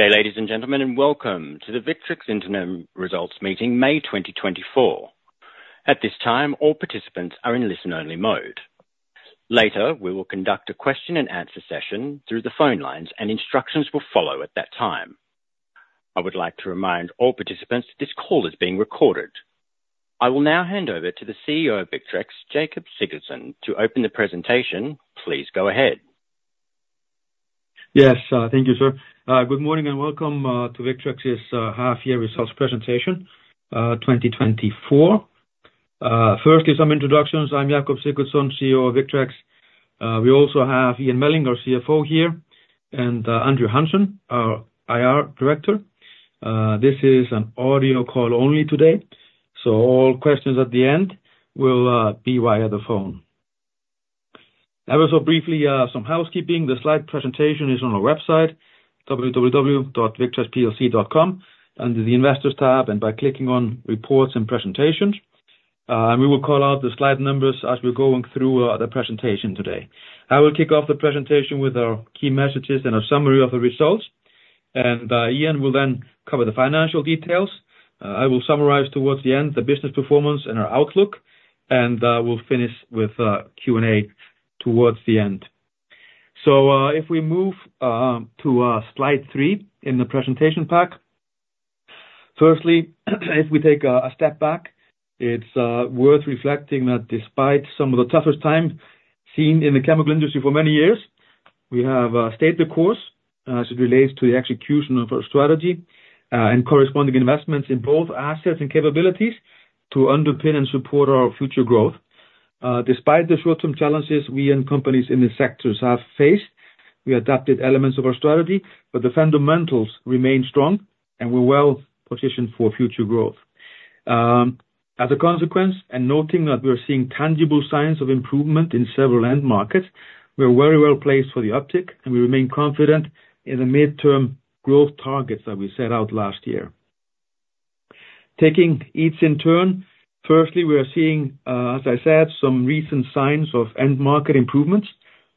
G'day, ladies and gentlemen, and welcome to the Victrex Interim Results Meeting, May 2024. At this time, all participants are in listen-only mode. Later, we will conduct a question-and-answer session through the phone lines, and instructions will follow at that time. I would like to remind all participants that this call is being recorded. I will now hand over to the CEO of Victrex, Jakob Sigurdsson, to open the presentation. Please go ahead. Yes, thank you, sir. Good morning and welcome to Victrex's half-year results presentation, 2024. First, some introductions. I'm Jakob Sigurdsson, CEO of Victrex. We also have Ian Melling, our CFO, here, and Andrew Hanson, our IR Director. This is an audio call only today, so all questions at the end will be via the phone. Ever so briefly, some housekeeping: the slide presentation is on our website, www.victrexplc.com, under the Investors tab and by clicking on Reports and Presentations. We will call out the slide numbers as we're going through the presentation today. I will kick off the presentation with our key messages and a summary of the results, and Ian will then cover the financial details. I will summarize towards the end the business performance and our outlook, and we'll finish with Q&A towards the end. So if we move to slide 3 in the presentation pack, firstly, if we take a step back, it's worth reflecting that despite some of the toughest time seen in the chemical industry for many years, we have stayed the course as it relates to the execution of our strategy and corresponding investments in both assets and capabilities to underpin and support our future growth. Despite the short-term challenges we and companies in the sectors have faced, we adapted elements of our strategy, but the fundamentals remain strong and we're well positioned for future growth. As a consequence, and noting that we are seeing tangible signs of improvement in several end markets, we are very well placed for the uptick, and we remain confident in the mid-term growth targets that we set out last year. Taking each in turn, firstly, we are seeing, as I said, some recent signs of end market improvements,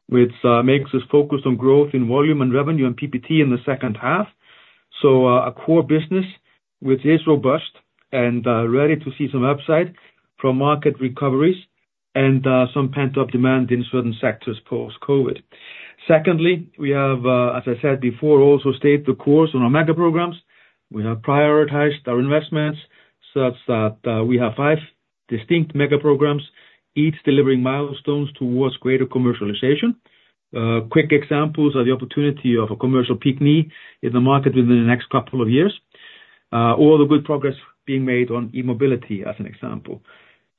which makes us focused on growth in volume and revenue and PBT in the second half. So a core business which is robust and ready to see some upside from market recoveries and some pent-up demand in certain sectors post-COVID. Secondly, we have, as I said before, also stayed the course on our mega programs. We have prioritized our investments such that we have five distinct mega programs, each delivering milestones towards greater commercialization. Quick examples are the opportunity of a commercial PEEK Knee in the market within the next couple of years, all the good progress being made on e-mobility as an example.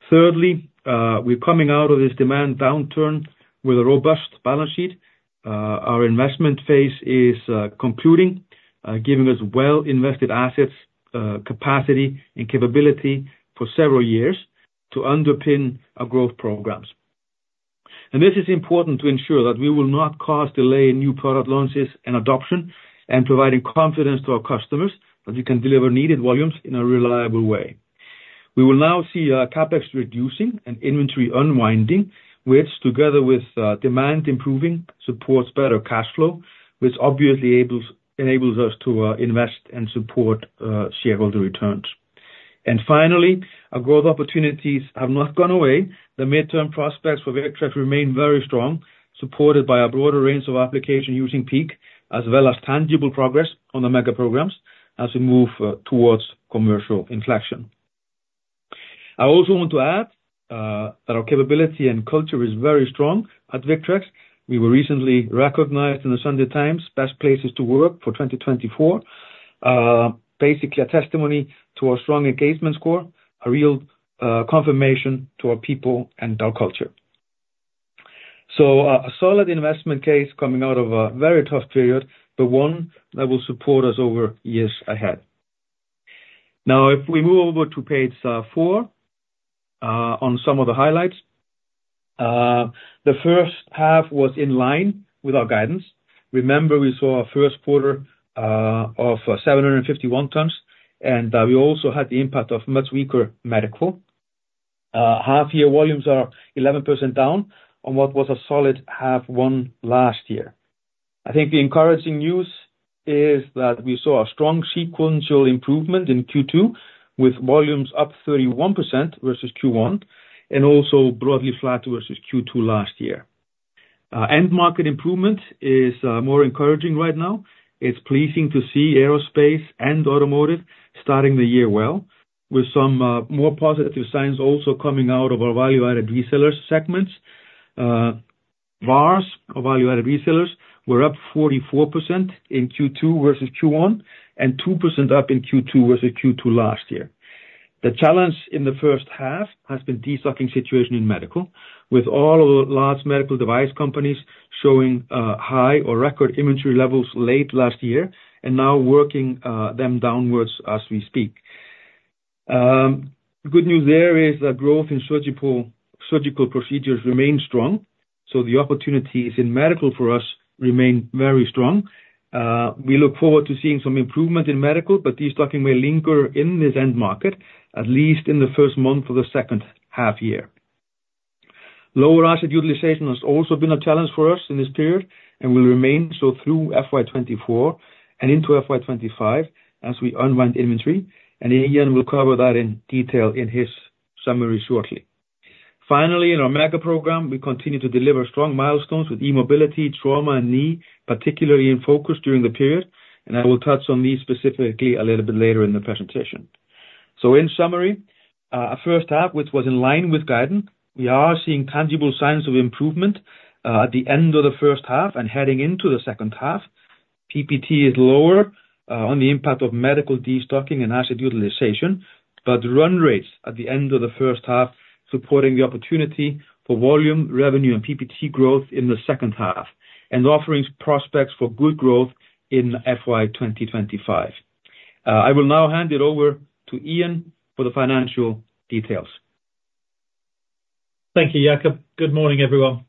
Thirdly, we're coming out of this demand downturn with a robust balance sheet. Our investment phase is concluding, giving us well-invested assets, capacity, and capability for several years to underpin our growth programs. This is important to ensure that we will not cause delay in new product launches and adoption and providing confidence to our customers that we can deliver needed volumes in a reliable way. We will now see CapEx reducing and inventory unwinding, which together with demand improving supports better cash flow, which obviously enables us to invest and support shareholder returns. Finally, our growth opportunities have not gone away. The mid-term prospects for Victrex remain very strong, supported by a broader range of application using PEEK as well as tangible progress on the mega programs as we move towards commercial inflection. I also want to add that our capability and culture is very strong at Victrex. We were recently recognized in The Sunday Times Best Places to Work for 2024, basically a testimony to our strong engagement score, a real confirmation to our people and our culture. So a solid investment case coming out of a very tough period, but one that will support us over years ahead. Now, if we move over to page 4 on some of the highlights, the first half was in line with our guidance. Remember, we saw our first quarter of 751 tons, and we also had the impact of much weaker medical. Half-year volumes are 11% down on what was a solid half-one last year. I think the encouraging news is that we saw a strong sequential improvement in Q2 with volumes up 31% versus Q1 and also broadly flat versus Q2 last year. End market improvement is more encouraging right now. It's pleasing to see aerospace and automotive starting the year well, with some more positive signs also coming out of our value-added resellers segments. VARs, our value-added resellers, were up 44% in Q2 versus Q1 and 2% up in Q2 versus Q2 last year. The challenge in the first half has been destocking situation in medical, with all of the large medical device companies showing high or record inventory levels late last year and now working them downwards as we speak. Good news there is that growth in surgical procedures remains strong, so the opportunities in medical for us remain very strong. We look forward to seeing some improvement in medical, but destocking may linger in this end market, at least in the first month of the second half-year. Lower asset utilization has also been a challenge for us in this period and will remain so through FY24 and into FY25 as we unwind inventory, and Ian will cover that in detail in his summary shortly. Finally, in our mega program, we continue to deliver strong milestones with e-mobility, trauma, and knee, particularly in focus during the period, and I will touch on these specifically a little bit later in the presentation. So in summary, our first half, which was in line with guidance, we are seeing tangible signs of improvement at the end of the first half and heading into the second half. PBT is lower on the impact of medical destocking and asset utilization, but run rates at the end of the first half supporting the opportunity for volume, revenue, and PBT growth in the second half and offering prospects for good growth in FY2025. I will now hand it over to Ian for the financial details. Thank you, Jakob. Good morning, everyone.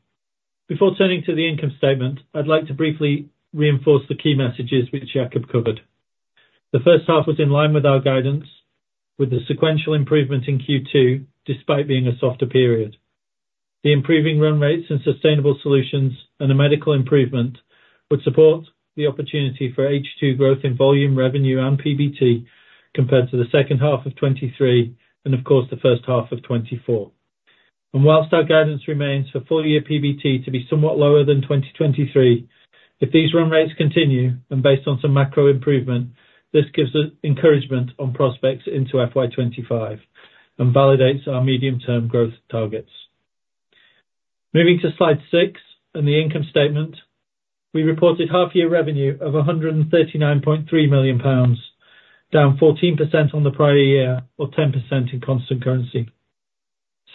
Before turning to the income statement, I'd like to briefly reinforce the key messages which Jakob covered. The first half was in line with our guidance, with the sequential improvement in Q2 despite being a softer period. The improving run rates and Sustainable Solutions and the medical improvement would support the opportunity for H2 growth in volume, revenue, and PBT compared to the second half of 2023 and, of course, the first half of 2024. While our guidance remains for full-year PBT to be somewhat lower than 2023, if these run rates continue and based on some macro improvement, this gives encouragement on prospects into FY 2025 and validates our medium-term growth targets. Moving to slide 6 in the income statement, we reported half-year revenue of 139.3 million pounds, down 14% on the prior year or 10% in constant currency.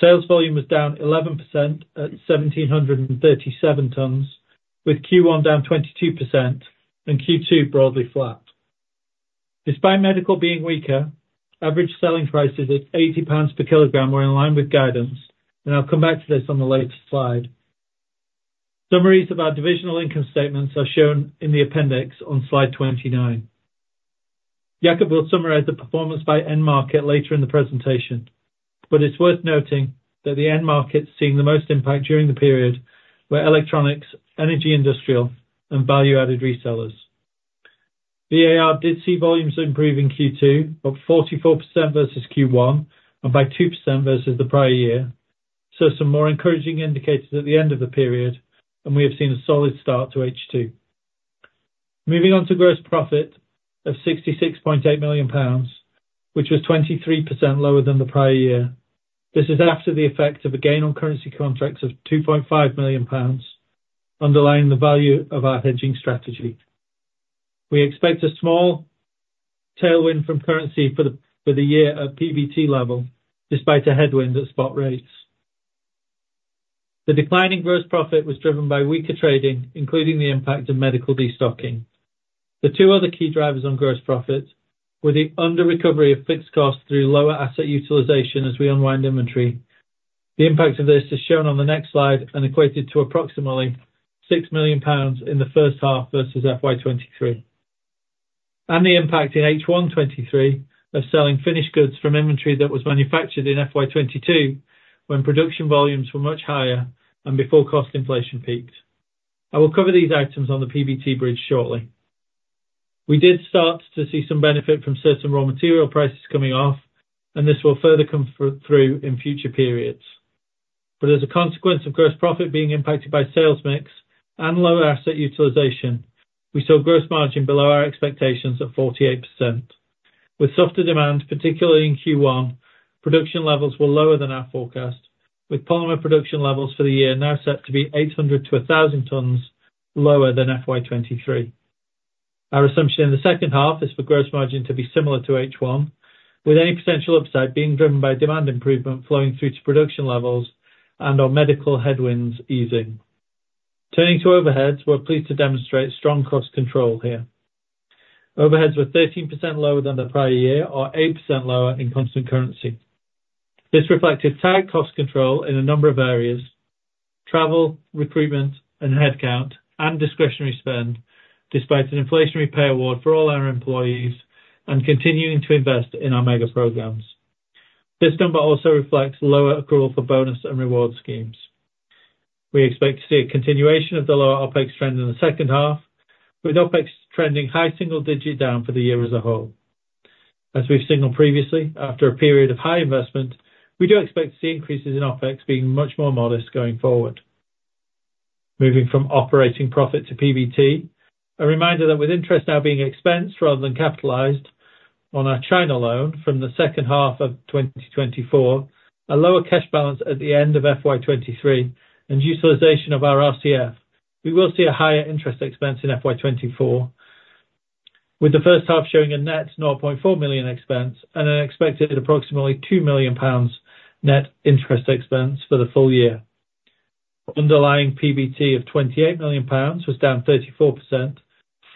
Sales volume was down 11% at 1,737 tons, with Q1 down 22% and Q2 broadly flat. Despite medical being weaker, average selling prices at 80 pounds per kilogram were in line with guidance, and I'll come back to this on the later slide. Summaries of our divisional income statements are shown in the appendix on slide 29. Jakob will summarize the performance by end market later in the presentation, but it's worth noting that the end market seeing the most impact during the period were electronics, energy industrial, and value-added resellers. VAR did see volumes improve in Q2 of 44% versus Q1 and by 2% versus the prior year, so some more encouraging indicators at the end of the period, and we have seen a solid start to H2. Moving on to gross profit of 66.8 million pounds, which was 23% lower than the prior year. This is after the effect of a gain on currency contracts of 2.5 million pounds, underlying the value of our hedging strategy. We expect a small tailwind from currency for the year at PBT level despite a headwind at spot rates. The declining gross profit was driven by weaker trading, including the impact of medical destocking. The two other key drivers on gross profit were the under-recovery of fixed costs through lower asset utilization as we unwind inventory. The impact of this is shown on the next slide and equated to approximately 6 million pounds in the first half versus FY23, and the impact in H123 of selling finished goods from inventory that was manufactured in FY22 when production volumes were much higher and before cost inflation peaked. I will cover these items on the PBT bridge shortly. We did start to see some benefit from certain raw material prices coming off, and this will further come through in future periods. But as a consequence of gross profit being impacted by sales mix and lower asset utilization, we saw gross margin below our expectations at 48%. With softer demand, particularly in Q1, production levels were lower than our forecast, with polymer production levels for the year now set to be 800-1,000 tons lower than FY23. Our assumption in the second half is for gross margin to be similar to H1, with any potential upside being driven by demand improvement flowing through to production levels and/or medical headwinds easing. Turning to overheads, we're pleased to demonstrate strong cost control here. Overheads were 13% lower than the prior year or 8% lower in constant currency. This reflected tight cost control in a number of areas: travel, recruitment, and headcount, and discretionary spend despite an inflationary pay award for all our employees and continuing to invest in our mega programs. This number also reflects lower accrual for bonus and reward schemes. We expect to see a continuation of the lower OpEx trend in the second half, with OpEx trending high single-digit down for the year as a whole. As we've signaled previously, after a period of high investment, we do expect to see increases in OpEx being much more modest going forward. Moving from operating profit to PBT, a reminder that with interest now being expensed rather than capitalized on our China loan from the second half of 2024, a lower cash balance at the end of FY23, and utilization of our RCF, we will see a higher interest expense in FY24, with the first half showing a net 0.4 million expense and an expected approximately 2 million pounds net interest expense for the full year. Underlying PBT of 28 million pounds was down 34%,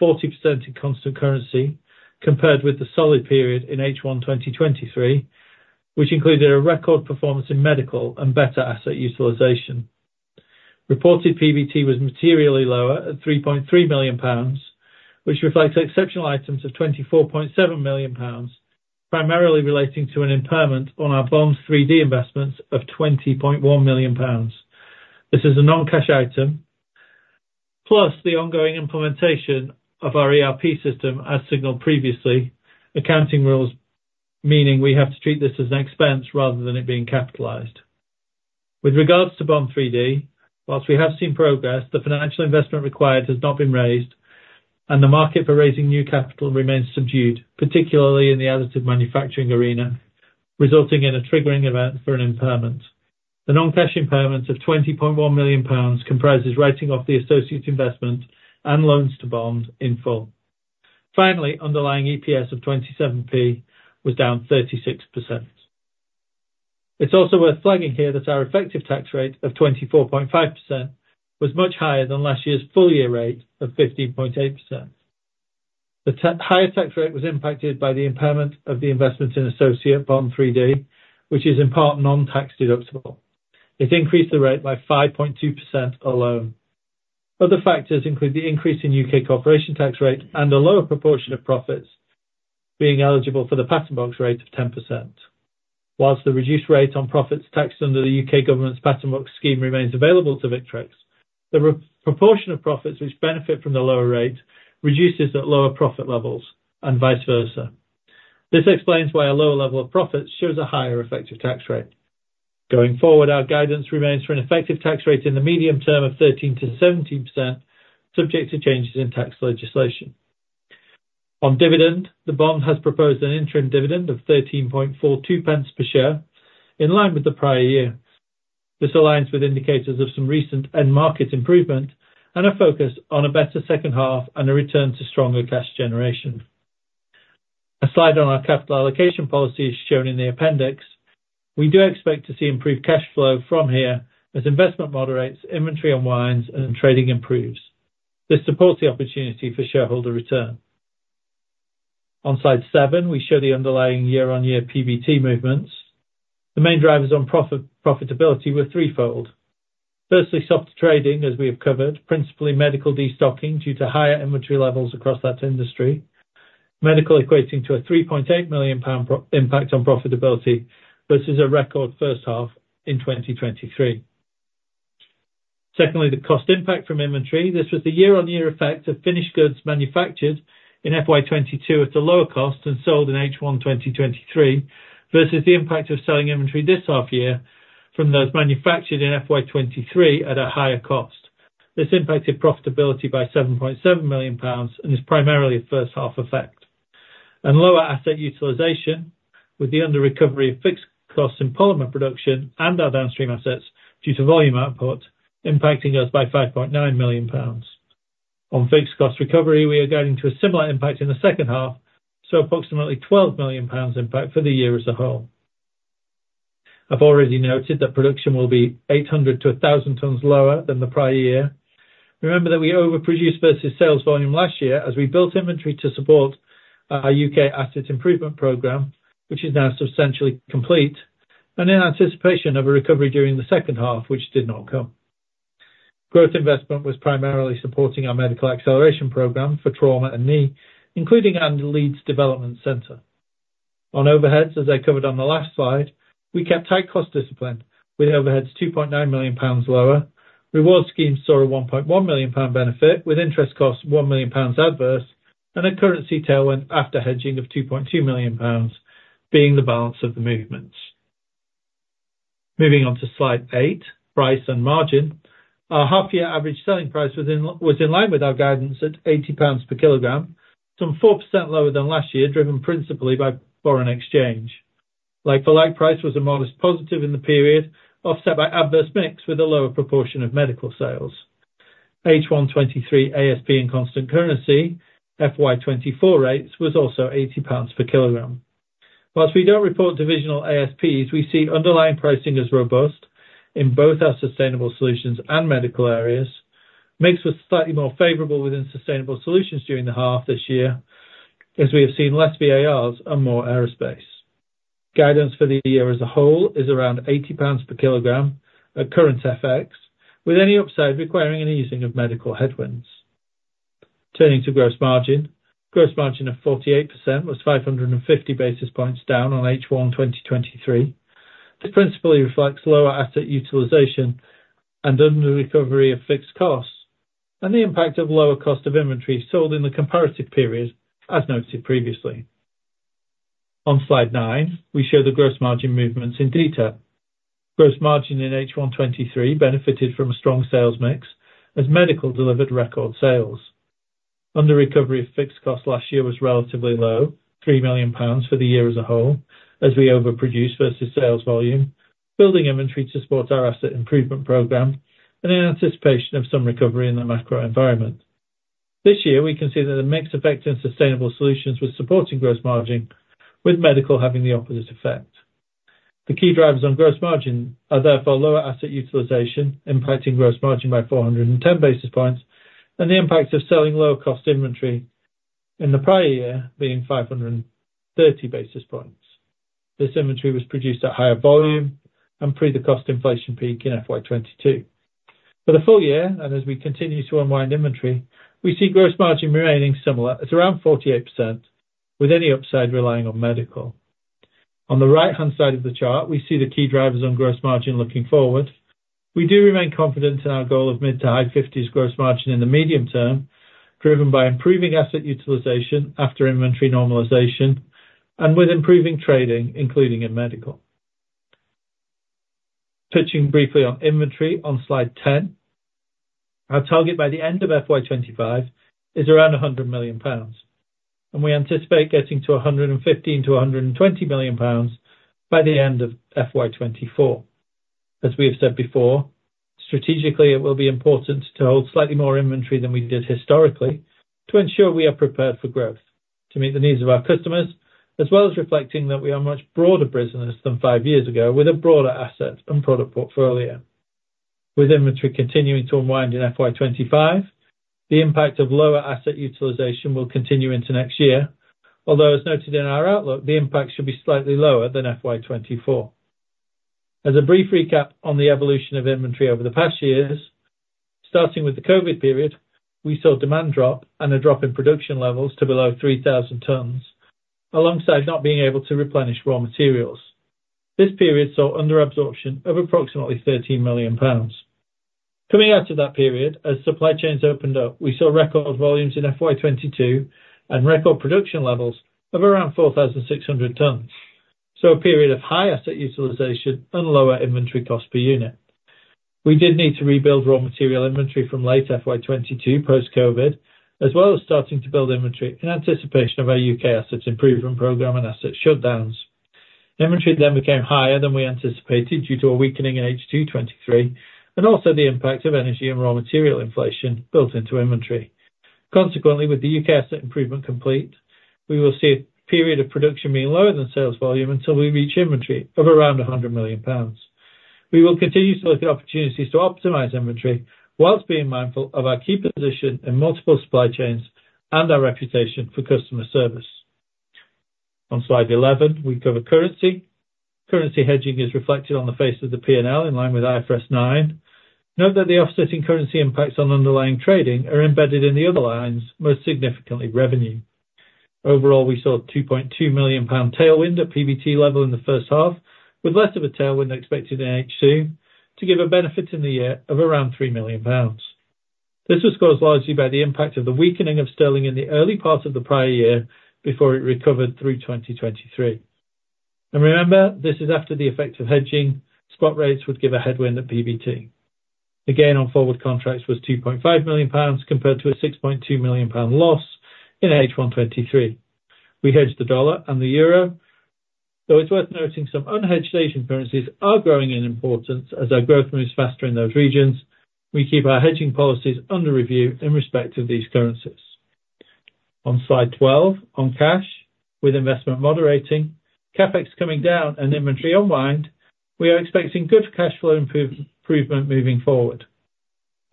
40% in constant currency, compared with the solid period in H123, which included a record performance in medical and better asset utilization. Reported PBT was materially lower at 3.3 million pounds, which reflects exceptional items of 24.7 million pounds, primarily relating to an impairment on our Bond3D investments of 20.1 million pounds. This is a non-cash item, plus the ongoing implementation of our ERP system, as signaled previously, accounting rules meaning we have to treat this as an expense rather than it being capitalized. With regard to Bond3D, while we have seen progress, the financial investment required has not been raised, and the market for raising new capital remains subdued, particularly in the additive manufacturing arena, resulting in a triggering event for an impairment. The non-cash impairment of 20.1 million pounds comprises writing off the associated investment and loans to Bond3D in full. Finally, underlying EPS of 27p was down 36%. It's also worth flagging here that our effective tax rate of 24.5% was much higher than last year's full-year rate of 15.8%. The higher tax rate was impacted by the impairment of the investment in associate Bond3D, which is in part non-tax deductible. It increased the rate by 5.2% alone. Other factors include the increase in UK corporation tax rate and a lower proportion of profits being eligible for the Patent Box rate of 10%. While the reduced rate on profits taxed under the UK government's Patent Box scheme remains available to Victrex, the proportion of profits which benefit from the lower rate reduces at lower profit levels and vice versa. This explains why a lower level of profits shows a higher effective tax rate. Going forward, our guidance remains for an effective tax rate in the medium term of 13%-17%, subject to changes in tax legislation. On dividend, the Board has proposed an interim dividend of 13.42 per share in line with the prior year. This aligns with indicators of some recent end market improvement and a focus on a better second half and a return to stronger cash generation. A slide on our capital allocation policy is shown in the appendix. We do expect to see improved cash flow from here as investment moderates, inventory unwinds, and trading improves. This supports the opportunity for shareholder return. On slide 7, we show the underlying year-on-year PBT movements. The main drivers on profitability were threefold. Firstly, softer trading, as we have covered, principally medical destocking due to higher inventory levels across that industry, medical equating to a 3.8 million pound impact on profitability versus a record first half in 2023. Secondly, the cost impact from inventory. This was the year-on-year effect of finished goods manufactured in FY22 at a lower cost and sold in H123 versus the impact of selling inventory this half year from those manufactured in FY23 at a higher cost. This impacted profitability by 7.7 million pounds and is primarily a first half effect, and lower asset utilization with the under-recovery of fixed costs in polymer production and our downstream assets due to volume output impacting us by 5.9 million pounds. On fixed cost recovery, we are guiding to a similar impact in the second half, so approximately 12 million pounds impact for the year as a whole. I've already noted that production will be 800-1,000 tons lower than the prior year. Remember that we overproduced versus sales volume last year as we built inventory to support our UK asset improvement program, which is now substantially complete and in anticipation of a recovery during the second half, which did not come. Growth investment was primarily supporting our medical acceleration program for trauma and knee, including our Leeds Development Centre. On overheads, as I covered on the last slide, we kept tight cost discipline with overheads 2.9 million pounds lower, reward schemes saw a 1.1 million pound benefit with interest costs 1 million pounds adverse, and a currency tailwind after hedging of 2.2 million pounds being the balance of the movements. Moving on to slide 8, price and margin. Our half-year average selling price was in line with our guidance at 80 pounds per kilogram, some 4% lower than last year, driven principally by foreign exchange. Like-for-like price was a modest positive in the period, offset by adverse mix with a lower proportion of medical sales. H123 ASP in constant currency, FY24 rates was also 80 pounds per kilogram. While we don't report divisional ASPs, we see underlying pricing as robust in both our sustainable solutions and medical areas. Mix was slightly more favorable within sustainable solutions during the half this year as we have seen less VARs and more aerospace. Guidance for the year as a whole is around 80 pounds per kilogram at current FX, with any upside requiring an easing of medical headwinds. Turning to gross margin, gross margin of 48% was 550 basis points down on H123. This principally reflects lower asset utilization and under-recovery of fixed costs and the impact of lower cost of inventory sold in the comparative period, as noted previously. On slide 9, we show the gross margin movements in detail. Gross margin in H123 benefited from a strong sales mix as medical delivered record sales. Under-recovery of fixed costs last year was relatively low, 3 million pounds for the year as a whole as we overproduced versus sales volume, building inventory to support our asset improvement program and in anticipation of some recovery in the macro environment. This year, we can see that the mix affecting sustainable solutions was supporting gross margin, with medical having the opposite effect. The key drivers on gross margin are therefore lower asset utilization, impacting gross margin by 410 basis points, and the impact of selling lower cost inventory in the prior year being 530 basis points. This inventory was produced at higher volume and pre the cost inflation peak in FY22. For the full year and as we continue to unwind inventory, we see gross margin remaining similar at around 48%, with any upside relying on medical. On the right-hand side of the chart, we see the key drivers on gross margin looking forward. We do remain confident in our goal of mid- to high-50s gross margin in the medium term, driven by improving asset utilization after inventory normalization and with improving trading, including in medical. Touching briefly on inventory on slide 10, our target by the end of FY25 is around 100 million pounds, and we anticipate getting to 115 million-120 million pounds by the end of FY24. As we have said before, strategically, it will be important to hold slightly more inventory than we did historically to ensure we are prepared for growth, to meet the needs of our customers, as well as reflecting that we are much broader business than five years ago with a broader asset and product portfolio. With inventory continuing to unwind in FY25, the impact of lower asset utilization will continue into next year, although as noted in our outlook, the impact should be slightly lower than FY24. As a brief recap on the evolution of inventory over the past years, starting with the COVID period, we saw demand drop and a drop in production levels to below 3,000 tons alongside not being able to replenish raw materials. This period saw under-absorption of approximately 13 million pounds. Coming out of that period, as supply chains opened up, we saw record volumes in FY22 and record production levels of around 4,600 tons, so a period of high asset utilization and lower inventory cost per unit. We did need to rebuild raw material inventory from late FY22 post-COVID, as well as starting to build inventory in anticipation of our UK asset improvement program and asset shutdowns. Inventory then became higher than we anticipated due to a weakening in H223 and also the impact of energy and raw material inflation built into inventory. Consequently, with the UK asset improvement complete, we will see a period of production being lower than sales volume until we reach inventory of around 100 million pounds. We will continue to look at opportunities to optimize inventory while being mindful of our key position in multiple supply chains and our reputation for customer service. On Slide 11, we cover currency. Currency hedging is reflected on the face of the P&L in line with IFRS 9. Note that the offsetting currency impacts on underlying trading are embedded in the other lines, most significantly revenue. Overall, we saw a 2.2 million pound tailwind at PBT level in the first half, with less of a tailwind expected in H2 to give a benefit in the year of around 3 million pounds. This was caused largely by the impact of the weakening of sterling in the early part of the prior year before it recovered through 2023. And remember, this is after the effect of hedging. Spot rates would give a headwind at PBT. The gain on forward contracts was 2.5 million pounds compared to a 6.2 million pound loss in H123. We hedged the dollar and the euro, though it's worth noting some unhedged Asian currencies are growing in importance as our growth moves faster in those regions. We keep our hedging policies under review in respect of these currencies. On slide 12, on cash, with investment moderating, CapEx coming down and inventory unwind, we are expecting good cash flow improvement moving forward.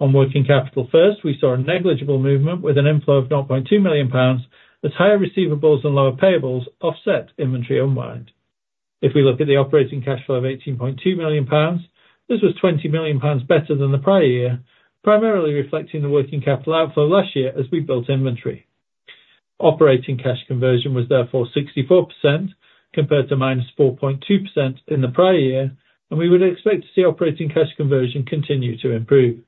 On working capital first, we saw a negligible movement with an inflow of 0.2 million pounds as higher receivables and lower payables offset inventory unwind. If we look at the operating cash flow of 18.2 million pounds, this was 20 million pounds better than the prior year, primarily reflecting the working capital outflow last year as we built inventory. Operating cash conversion was therefore 64% compared to -4.2% in the prior year, and we would expect to see operating cash conversion continue to improve.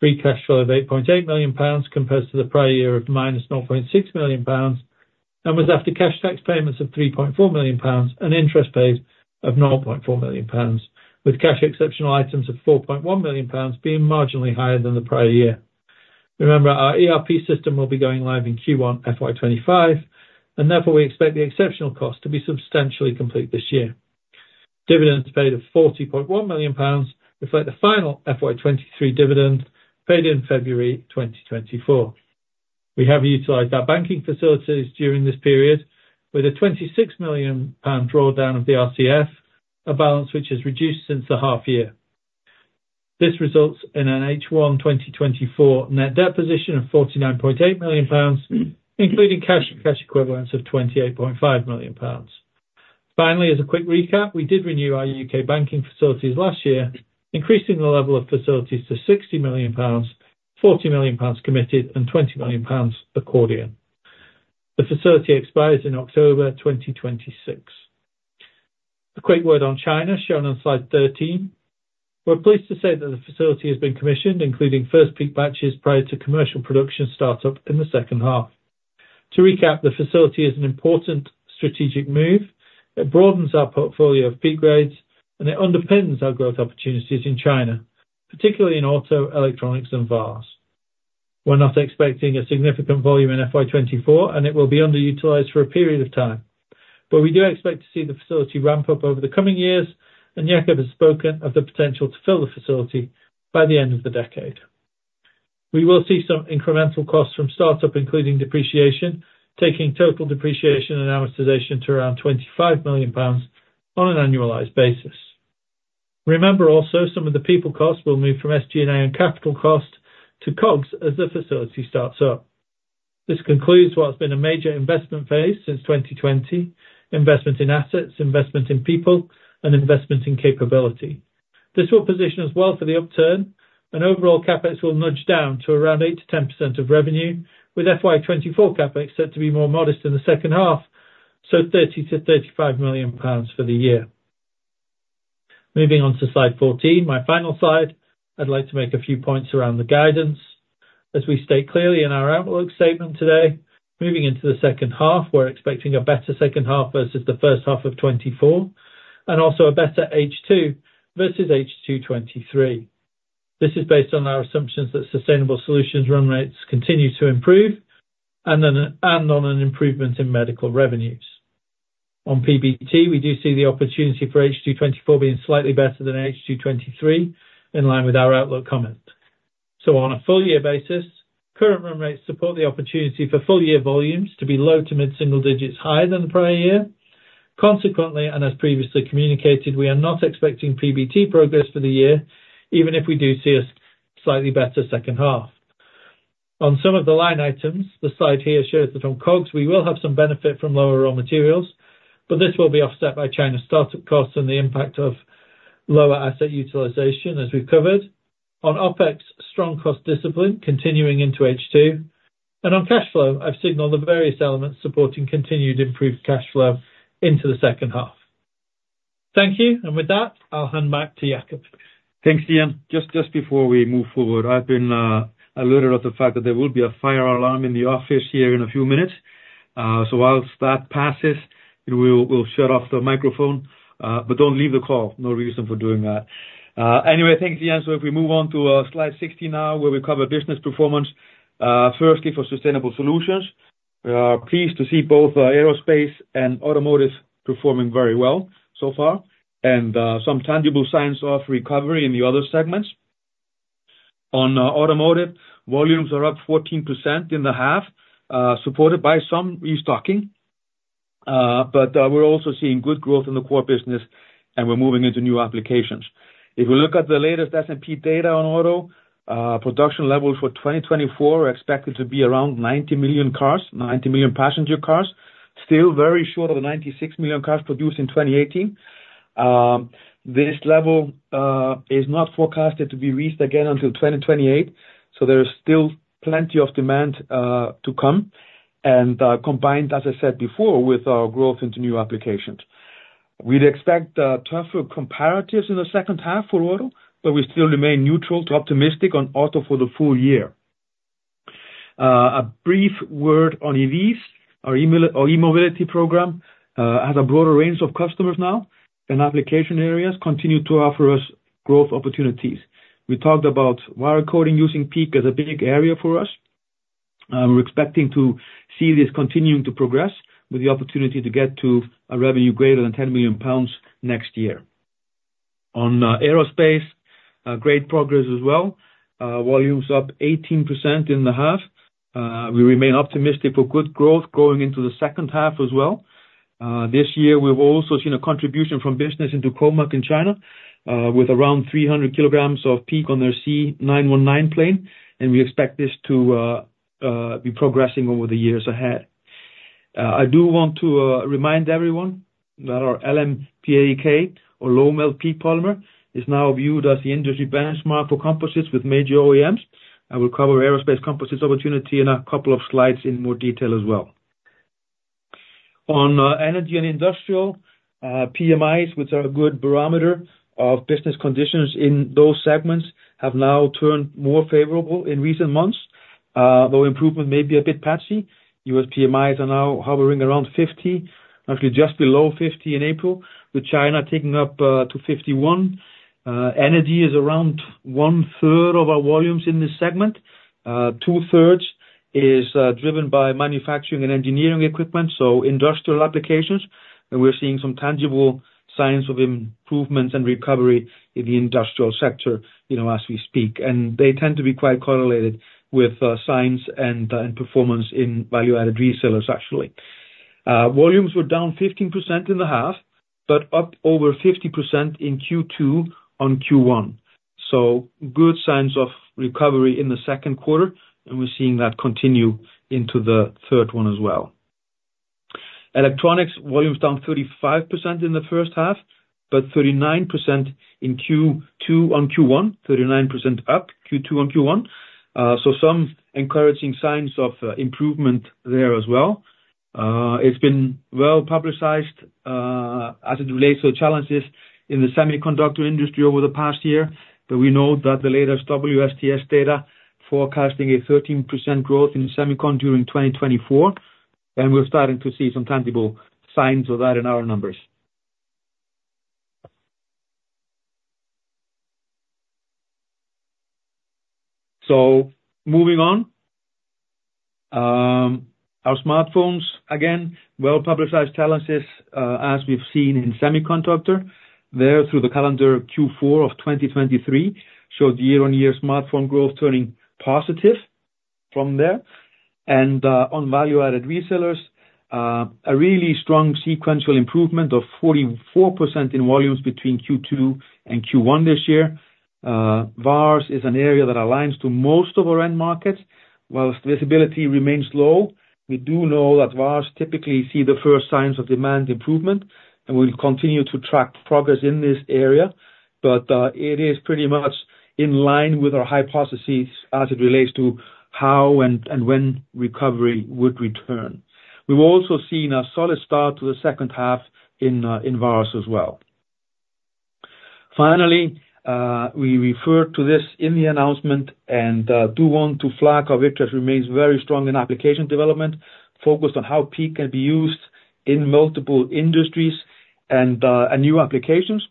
Free cash flow of 8.8 million pounds compared to the prior year of -0.6 million and was after cash tax payments of 3.4 million pounds and interest paid of 0.4 million pounds, with cash exceptional items of 4.1 million pounds being marginally higher than the prior year. Remember, our ERP system will be going live in Q1 FY25, and therefore we expect the exceptional cost to be substantially complete this year. Dividends paid of 40.1 million pounds reflect the final FY23 dividend paid in February 2024. We have utilized our banking facilities during this period with a 26 million pound drawdown of the RCF, a balance which has reduced since the half year. This results in an H124 net debt position of 49.8 million pounds, including cash and cash equivalents of 28.5 million pounds. Finally, as a quick recap, we did renew our UK banking facilities last year, increasing the level of facilities to 60 million pounds, 40 million pounds committed, and 20 million pounds accordion. The facility expires in October 2026. A quick word on China shown on slide 13. We're pleased to say that the facility has been commissioned, including first PEEK batches prior to commercial production start-up in the second half. To recap, the facility is an important strategic move. It broadens our portfolio of PEEK grades, and it underpins our growth opportunities in China, particularly in auto, electronics, and VARs. We're not expecting a significant volume in FY24, and it will be under-utilized for a period of time, but we do expect to see the facility ramp up over the coming years, and Jakob has spoken of the potential to fill the facility by the end of the decade. We will see some incremental costs from start-up, including depreciation, taking total depreciation and amortization to around 25 million pounds on an annualized basis. Remember also, some of the people costs will move from SG&A and capital cost to COGS as the facility starts up. This concludes what has been a major investment phase since 2020: investment in assets, investment in people, and investment in capability. This will position us well for the upturn, and overall CapEx will nudge down to around 8%-10% of revenue, with FY24 CapEx set to be more modest in the second half, so 30 million-35 million pounds for the year. Moving on to slide 14, my final slide, I'd like to make a few points around the guidance. As we state clearly in our outlook statement today, moving into the second half, we're expecting a better second half versus the first half of 2024 and also a better H2 versus H2 2023. This is based on our assumptions that sustainable solutions run rates continue to improve and on an improvement in medical revenues. On PBT, we do see the opportunity for H2 2024 being slightly better than H2 2023 in line with our outlook comment. So on a full-year basis, current run rates support the opportunity for full-year volumes to be low to mid-single digits higher than the prior year. Consequently, and as previously communicated, we are not expecting PBT progress for the year, even if we do see a slightly better second half. On some of the line items, the slide here shows that on COGS we will have some benefit from lower raw materials, but this will be offset by China start-up costs and the impact of lower asset utilization, as we've covered. On OPEX, strong cost discipline continuing into H2, and on cash flow, I've signaled the various elements supporting continued improved cash flow into the second half. Thank you. And with that, I'll hand back to Jakob. Thanks, Ian. Just before we move forward, I've been alerted of the fact that there will be a fire alarm in the office here in a few minutes. So whilst that passes, we'll shut off the microphone, but don't leave the call. No reason for doing that. Anyway, thanks, Ian. So if we move on to Slide 16 now, where we cover business performance, firstly for sustainable solutions, we are pleased to see both aerospace and automotive performing very well so far and some tangible signs of recovery in the other segments. On automotive, volumes are up 14% in the half, supported by some restocking. But we're also seeing good growth in the core business, and we're moving into new applications. If we look at the latest S&P data on auto, production levels for 2024 are expected to be around 90 million cars, 90 million passenger cars, still very short of the 96 million cars produced in 2018. This level is not forecasted to be reached again until 2028, so there is still plenty of demand to come. And combined, as I said before, with our growth into new applications, we'd expect tougher comparatives in the second half for auto, but we still remain neutral to optimistic on auto for the full year. A brief word on EVs. Our e-mobility program has a broader range of customers now, and application areas continue to offer us growth opportunities. We talked about wire coating using PEEK as a big area for us. We're expecting to see this continuing to progress with the opportunity to get to a revenue greater than 10 million pounds next year. On aerospace, great progress as well. Volumes up 18% in the half. We remain optimistic for good growth going into the second half as well. This year, we've also seen a contribution from business into COMAC in China with around 300 kg of PEEK on their C919 plane, and we expect this to be progressing over the years ahead. I do want to remind everyone that our LMPAEK, or Low-Melt PEEK Polymer, is now viewed as the industry benchmark for composites with major OEMs. I will cover aerospace composites opportunity in a couple of slides in more detail as well. On energy and industrial, PMIs, which are a good barometer of business conditions in those segments, have now turned more favorable in recent months, though improvement may be a bit patchy. U.S. PMIs are now hovering around 50, actually just below 50 in April, with China taking up to 51. Energy is around one-third of our volumes in this segment. Two-thirds is driven by manufacturing and engineering equipment, so industrial applications. And we're seeing some tangible signs of improvements and recovery in the industrial sector as we speak, and they tend to be quite correlated with signs and performance in value-added resellers, actually. Volumes were down 15% in the half but up over 50% in Q2 on Q1, so good signs of recovery in the second quarter, and we're seeing that continue into the third one as well. Electronics volumes down 35% in the first half but 39% in Q2 on Q1, 39% up Q2 on Q1, so some encouraging signs of improvement there as well. It's been well publicized as it relates to the challenges in the semiconductor industry over the past year, but we know that the latest WSTS data forecasting a 13% growth in semiconductors during 2024, and we're starting to see some tangible signs of that in our numbers. So moving on, our smartphones, again, well-publicized challenges as we've seen in semiconductor. There, through the calendar Q4 of 2023, showed year-on-year smartphone growth turning positive from there. And on value-added resellers, a really strong sequential improvement of 44% in volumes between Q2 and Q1 this year. VARs is an area that aligns to most of our end markets, while visibility remains low. We do know that VARs typically see the first signs of demand improvement, and we'll continue to track progress in this area, but it is pretty much in line with our hypothesis as it relates to how and when recovery would return. We've also seen a solid start to the second half in VARs as well. Finally, we referred to this in the announcement and do want to flag our interest remains very strong in application development focused on how PEEK can be used in multiple industries and new applications.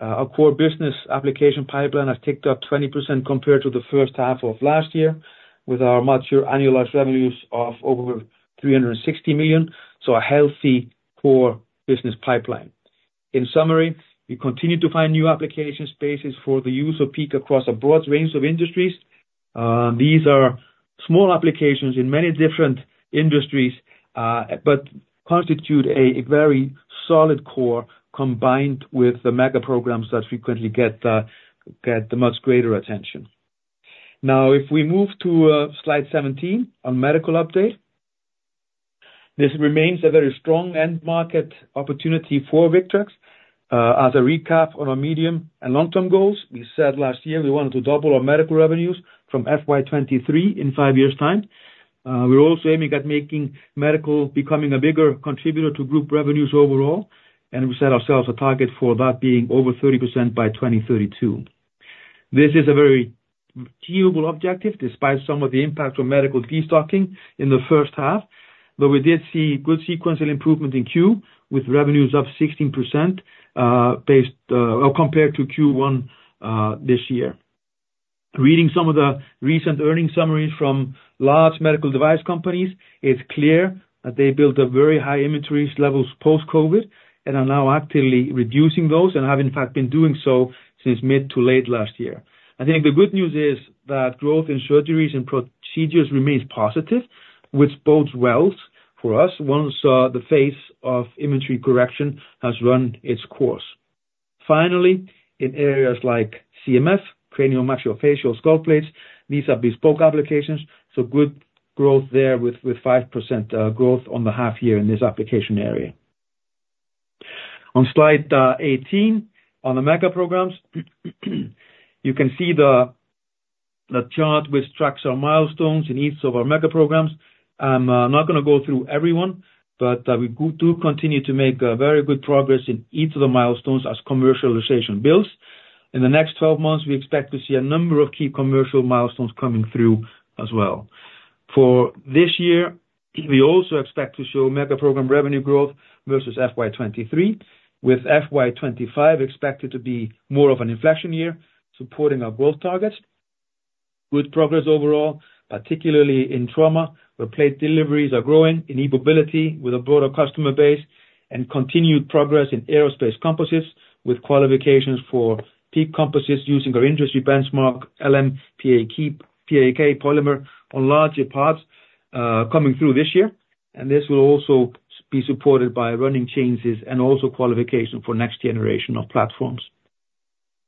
Our core business application pipeline has ticked up 20% compared to the first half of last year with our mature annualized revenues of over 360 million, so a healthy core business pipeline. In summary, we continue to find new application spaces for the use of PEEK across a broad range of industries. These are small applications in many different industries but constitute a very solid core combined with the mega programmes that frequently get the much greater attention. Now, if we move to slide 17 on medical update, this remains a very strong end market opportunity for Victrex. As a recap on our medium and long-term goals, we said last year we wanted to double our medical revenues from FY23 in five years' time. We're also aiming at making medical becoming a bigger contributor to group revenues overall, and we set ourselves a target for that being over 30% by 2032. This is a very achievable objective despite some of the impact from medical destocking in the first half, though we did see good sequential improvement in Q with revenues up 16% compared to Q1 this year. Reading some of the recent earnings summaries from large medical device companies, it's clear that they built up very high inventory levels post-COVID and are now actively reducing those and have, in fact, been doing so since mid to late last year. I think the good news is that growth in surgeries and procedures remains positive, which bodes well for us once the phase of inventory correction has run its course. Finally, in areas like CMF, cranial maxillofacial skull plates, these have bespoke applications, so good growth there with 5% growth on the half year in this application area. On slide 18 on the mega programs, you can see the chart with tracks or milestones in each of our mega programs. I'm not going to go through everyone, but we do continue to make very good progress in each of the milestones as commercialization builds. In the next 12 months, we expect to see a number of key commercial milestones coming through as well. For this year, we also expect to show Magma programme revenue growth versus FY23, with FY25 expected to be more of an inflection year supporting our growth targets. Good progress overall, particularly in trauma, where plate deliveries are growing in e-mobility with a broader customer base and continued progress in aerospace composites with qualifications for PEEK composites using our industry benchmark LMPAEK polymer on larger parts coming through this year. This will also be supported by running changes and also qualification for next generation of platforms.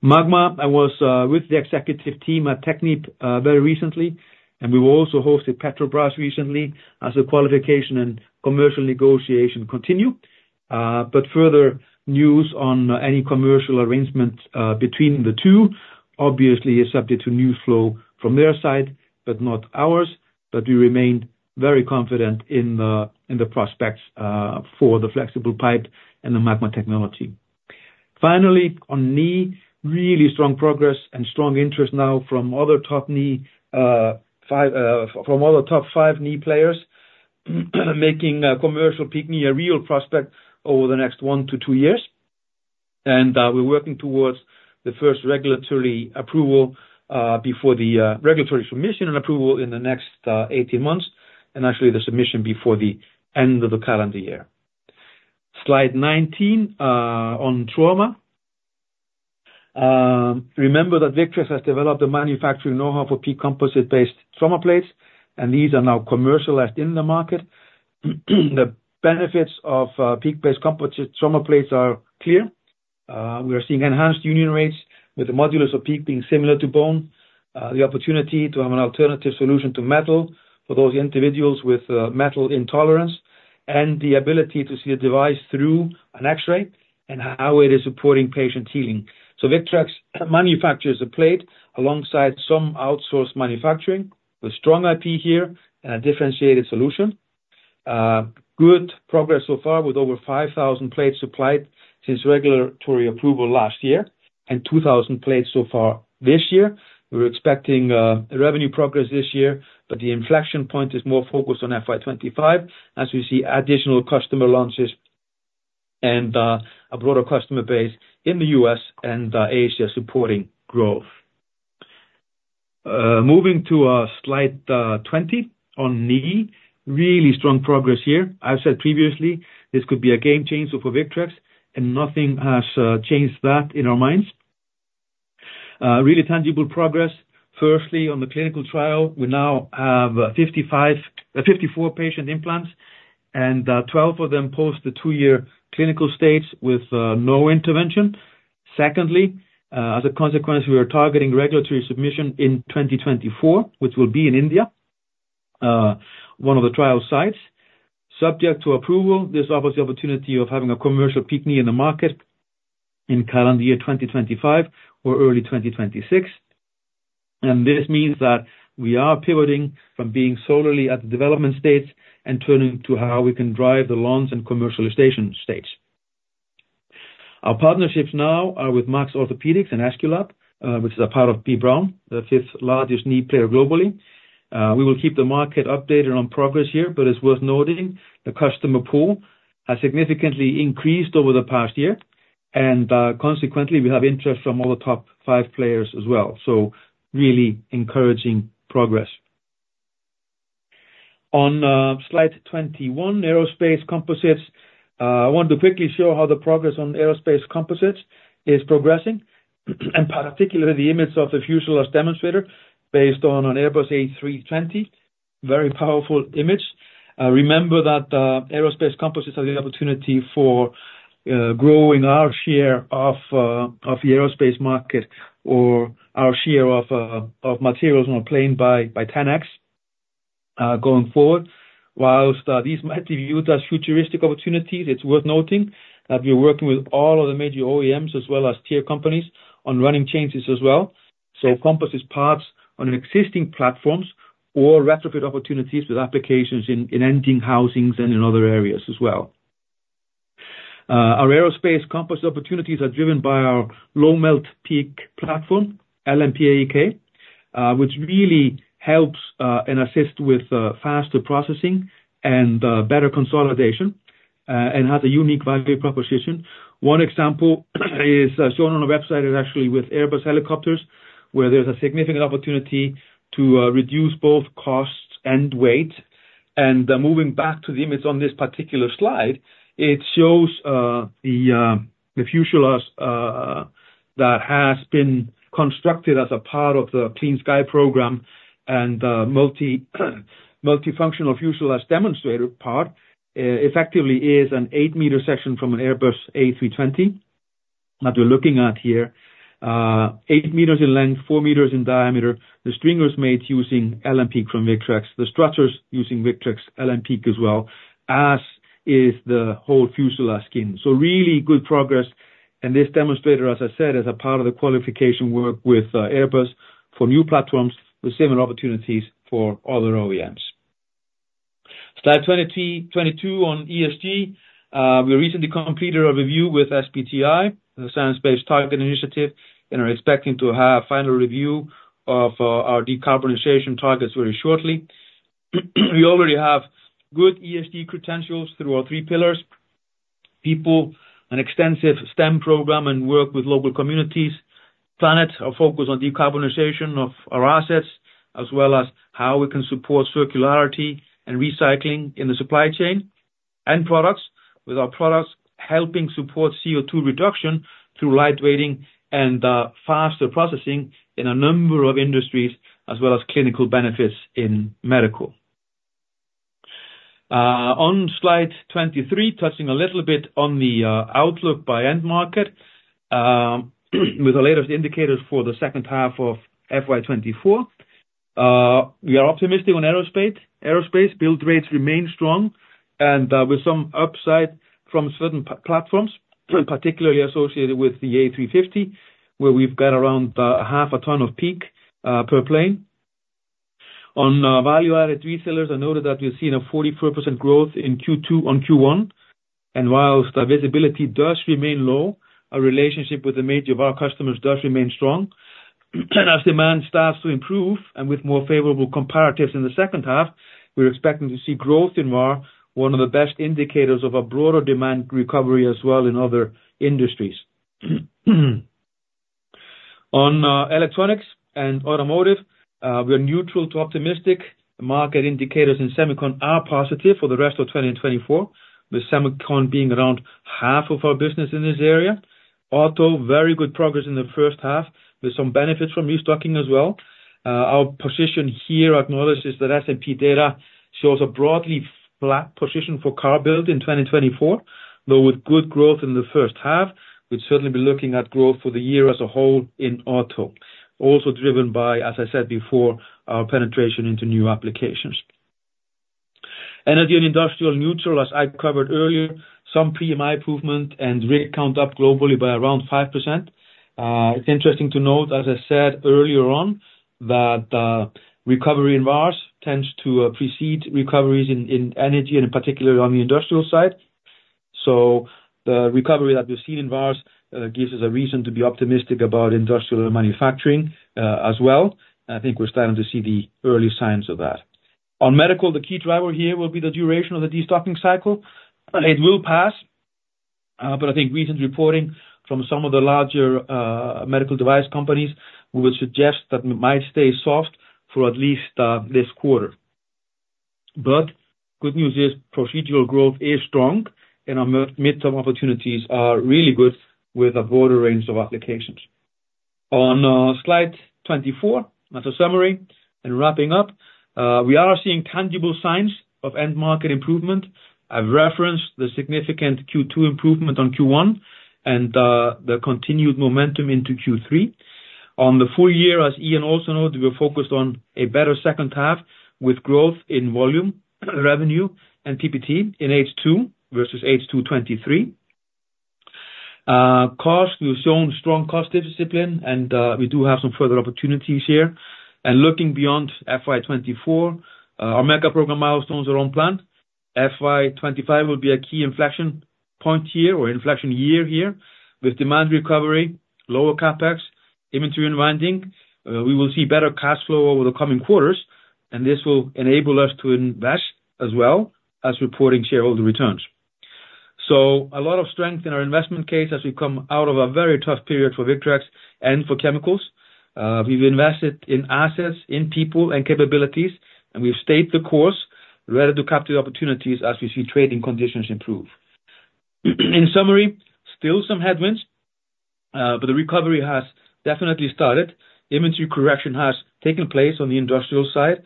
Magma, I was with the executive team at TechnipFMC very recently, and we were also hosted Petrobras recently as the qualification and commercial negotiation continue. But further news on any commercial arrangement between the two obviously is subject to news flow from their side, but not ours. But we remain very confident in the prospects for the flexible pipe and the Magma technology. Finally, on knee, really strong progress and strong interest now from other top knee from other top five knee players making commercial PEEK Knee a real prospect over the next 1-2 years. And we're working towards the first regulatory approval before the regulatory submission and approval in the next 18 months, and actually the submission before the end of the calendar year. Slide 19 on trauma. Remember that Victrex has developed a manufacturing know-how for PEEK composite-based trauma plates, and these are now commercialized in the market. The benefits of PEEK-based composite trauma plates are clear. We are seeing enhanced union rates with the modulus of PEEK being similar to bone, the opportunity to have an alternative solution to metal for those individuals with metal intolerance, and the ability to see the device through an X-ray and how it is supporting patient healing. So Victrex manufactures a plate alongside some outsourced manufacturing with strong IP here and a differentiated solution. Good progress so far with over 5,000 plates supplied since regulatory approval last year and 2,000 plates so far this year. We're expecting revenue progress this year, but the inflection point is more focused on FY25 as we see additional customer launches and a broader customer base in the US and Asia supporting growth. Moving to slide 20 on Knee, really strong progress here. I've said previously this could be a game changer for Victrex, and nothing has changed that in our minds. Really tangible progress. Firstly, on the clinical trial, we now have 54 patient implants, and 12 of them post the two-year clinical stage with no intervention. Secondly, as a consequence, we are targeting regulatory submission in 2024, which will be in India, one of the trial sites, subject to approval. This offers the opportunity of having a commercial PEEK Knee in the market in calendar year 2025 or early 2026. This means that we are pivoting from being solely at the development stage and turning to how we can drive the launch and commercialization stage. Our partnerships now are with Maxx Orthopedics and Aesculap, which is a part of B. Braun, the fifth largest Knee player globally. We will keep the market updated on progress here, but it's worth noting the customer pool has significantly increased over the past year, and consequently, we have interest from all the top five players as well. So really encouraging progress. On slide 21, aerospace composites, I want to quickly show how the progress on aerospace composites is progressing, and particularly the image of the fuselage demonstrator based on an Airbus A320, very powerful image. Remember that aerospace composites are the opportunity for growing our share of the aerospace market or our share of materials on a plane by 10x going forward. Whilst these might be viewed as futuristic opportunities, it's worth noting that we're working with all of the major OEMs as well as tier companies on running changes as well. So composite parts on existing platforms or retrofit opportunities with applications in engine housings and in other areas as well. Our aerospace composite opportunities are driven by our Low-Melt PEEK platform, LMPAEK, which really helps and assists with faster processing and better consolidation and has a unique value proposition. One example is shown on our website, is actually with Airbus helicopters, where there's a significant opportunity to reduce both costs and weight. And moving back to the image on this particular slide, it shows the fuselage that has been constructed as a part of the Clean Sky program and the multifunctional fuselage demonstrator part effectively is an 8-meter section from an Airbus A320 that we're looking at here, 8 meters in length, 4 meters in diameter. The stringers made using LMPAEK from Victrex, the structures using Victrex LMPAEK as well, as is the whole fuselage skin. So really good progress. This demonstrator, as I said, is a part of the qualification work with Airbus for new platforms with similar opportunities for other OEMs. Slide 22 on ESG, we recently completed a review with SBTi, the Science Based Target Initiative, and are expecting to have final review of our decarbonization targets very shortly. We already have good ESG credentials through our three pillars, people, an extensive STEM program and work with local communities, planet of focus on decarbonization of our assets as well as how we can support circularity and recycling in the supply chain and products with our products helping support CO2 reduction through lightweighting and faster processing in a number of industries as well as clinical benefits in medical. On slide 23, touching a little bit on the outlook by end market with the latest indicators for the second half of FY24, we are optimistic on aerospace. Build rates remain strong and with some upside from certain platforms, particularly associated with the A350, where we've got around half a ton of PEEK per plane. On value-added resellers, I noted that we've seen a 44% growth in Q2 on Q1. Whilst visibility does remain low, our relationship with the major of our customers does remain strong. As demand starts to improve and with more favorable comparatives in the second half, we're expecting to see growth in VAR, one of the best indicators of a broader demand recovery as well in other industries. On electronics and automotive, we are neutral to optimistic. Market indicators in semicon are positive for the rest of 2024, with semicon being around half of our business in this area. Auto, very good progress in the first half with some benefits from restocking as well. Our position here acknowledges that S&P data shows a broadly flat position for car build in 2024, though with good growth in the first half, we'd certainly be looking at growth for the year as a whole in auto, also driven by, as I said before, our penetration into new applications. Energy and industrial neutral, as I covered earlier, some PMI improvement and rig count up globally by around 5%. It's interesting to note, as I said earlier on, that recovery in VARs tends to precede recoveries in energy, and in particular on the industrial side. So the recovery that we've seen in VARs gives us a reason to be optimistic about industrial and manufacturing as well. I think we're starting to see the early signs of that. On medical, the key driver here will be the duration of the destocking cycle. It will pass, but I think recent reporting from some of the larger medical device companies would suggest that it might stay soft for at least this quarter. But good news is procedural growth is strong, and our midterm opportunities are really good with a broader range of applications. On slide 24, as a summary and wrapping up, we are seeing tangible signs of end market improvement. I've referenced the significant Q2 improvement on Q1 and the continued momentum into Q3. On the full year, as Ian also noted, we're focused on a better second half with growth in volume, revenue, and PBT in H2 versus H2 2023. Cost, we've shown strong cost discipline, and we do have some further opportunities here. Looking beyond FY24, our mega programme milestones are on plan. FY25 will be a key inflection point here or inflection year here with demand recovery, lower CapEx, inventory unwinding. We will see better cash flow over the coming quarters, and this will enable us to invest as well as reporting shareholder returns. So a lot of strength in our investment case as we come out of a very tough period for Victrex and for chemicals. We've invested in assets, in people, and capabilities, and we've stayed the course, ready to capture the opportunities as we see trading conditions improve. In summary, still some headwinds, but the recovery has definitely started. Inventory correction has taken place on the industrial side.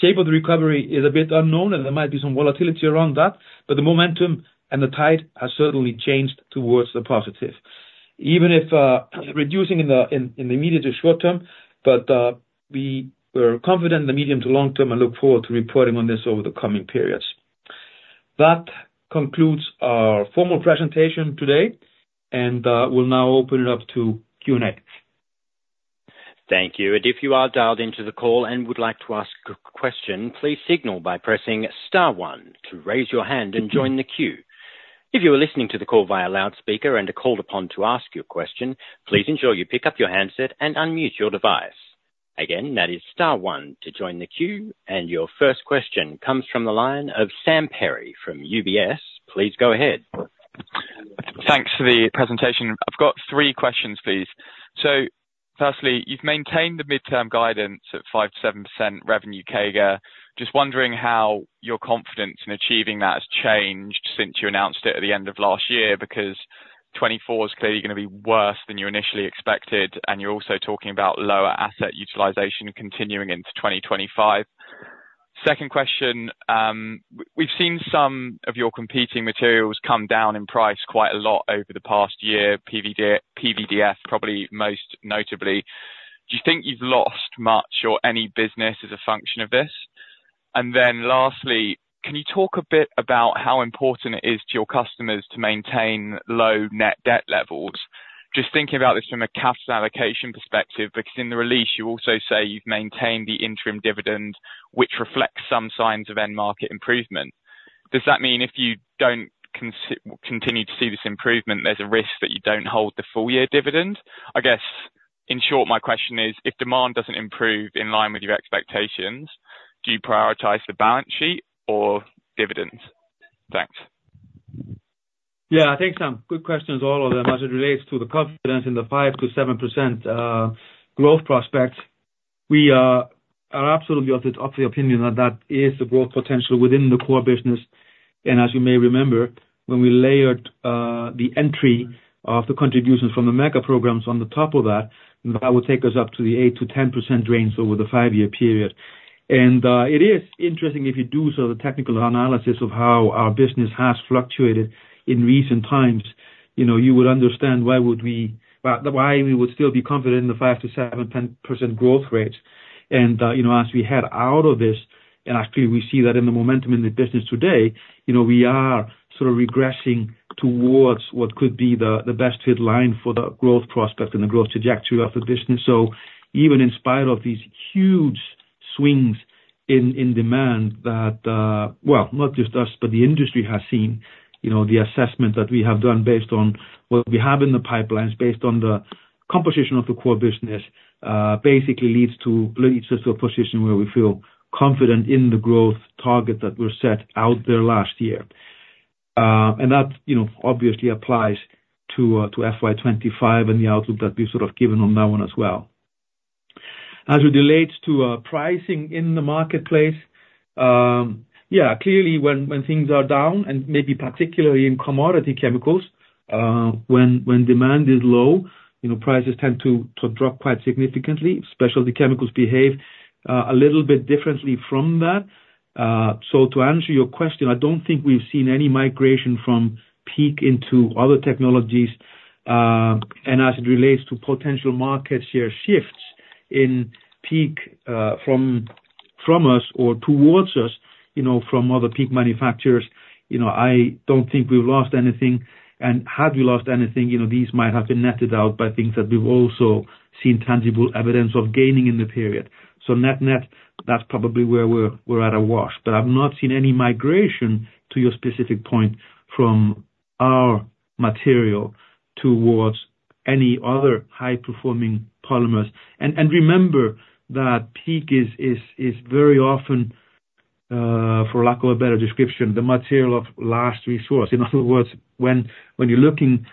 Shape of the recovery is a bit unknown, and there might be some volatility around that, but the momentum and the tide have certainly changed towards the positive, even if reducing in the immediate to short term. But we are confident in the medium to long term and look forward to reporting on this over the coming periods. That concludes our formal presentation today, and we'll now open it up to Q&A. Thank you. And if you are dialed into the call and would like to ask a question, please signal by pressing star one to raise your hand and join the queue. If you are listening to the call via loudspeaker and are called upon to ask your question, please ensure you pick up your handset and unmute your device. Again, that is star one to join the queue, and your first question comes from the line of Sam Perry from UBS. Please go ahead. Thanks for the presentation. I've got three questions, please. So firstly, you've maintained the midterm guidance at 5%-7% revenue CAGR. Just wondering how your confidence in achieving that has changed since you announced it at the end of last year because 2024 is clearly going to be worse than you initially expected, and you're also talking about lower asset utilization continuing into 2025. Second question, we've seen some of your competing materials come down in price quite a lot over the past year, PVDF probably most notably. Do you think you've lost much or any business as a function of this? And then lastly, can you talk a bit about how important it is to your customers to maintain low net debt levels? Just thinking about this from a capital allocation perspective, because in the release, you also say you've maintained the interim dividend, which reflects some signs of end market improvement. Does that mean if you don't continue to see this improvement, there's a risk that you don't hold the full-year dividend? I guess in short, my question is, if demand doesn't improve in line with your expectations, do you prioritize the balance sheet or dividends? Thanks. Yeah, thanks, Sam. Good questions, all of them. As it relates to the confidence in the 5%-7% growth prospects, we are absolutely of the opinion that that is the growth potential within the core business. And as you may remember, when we layered the entry of the contributions from the mega programs on the top of that, that would take us up to the 8%-10% range over the five-year period. And it is interesting if you do sort of the technical analysis of how our business has fluctuated in recent times, you would understand why we would still be confident in the 5%-7% growth rates. And as we head out of this, and actually we see that in the momentum in the business today, we are sort of regressing towards what could be the best fit line for the growth prospect and the growth trajectory of the business. So even in spite of these huge swings in demand that, well, not just us, but the industry has seen, the assessment that we have done based on what we have in the pipelines, based on the composition of the core business, basically leads to a position where we feel confident in the growth target that we're set out there last year. And that obviously applies to FY25 and the outlook that we've sort of given on that one as well. As it relates to pricing in the marketplace, yeah, clearly when things are down, and maybe particularly in commodity chemicals, when demand is low, prices tend to drop quite significantly, especially the chemicals behave a little bit differently from that. So to answer your question, I don't think we've seen any migration from PEEK into other technologies. And as it relates to potential market share shifts from us or towards us from other PEEK manufacturers, I don't think we've lost anything. And had we lost anything, these might have been netted out by things that we've also seen tangible evidence of gaining in the period. So net-net, that's probably where we're at a wash. But I've not seen any migration to your specific point from our material towards any other high-performing polymers. And remember that PEEK is very often, for lack of a better description, the material of last resort. In other words, when you're looking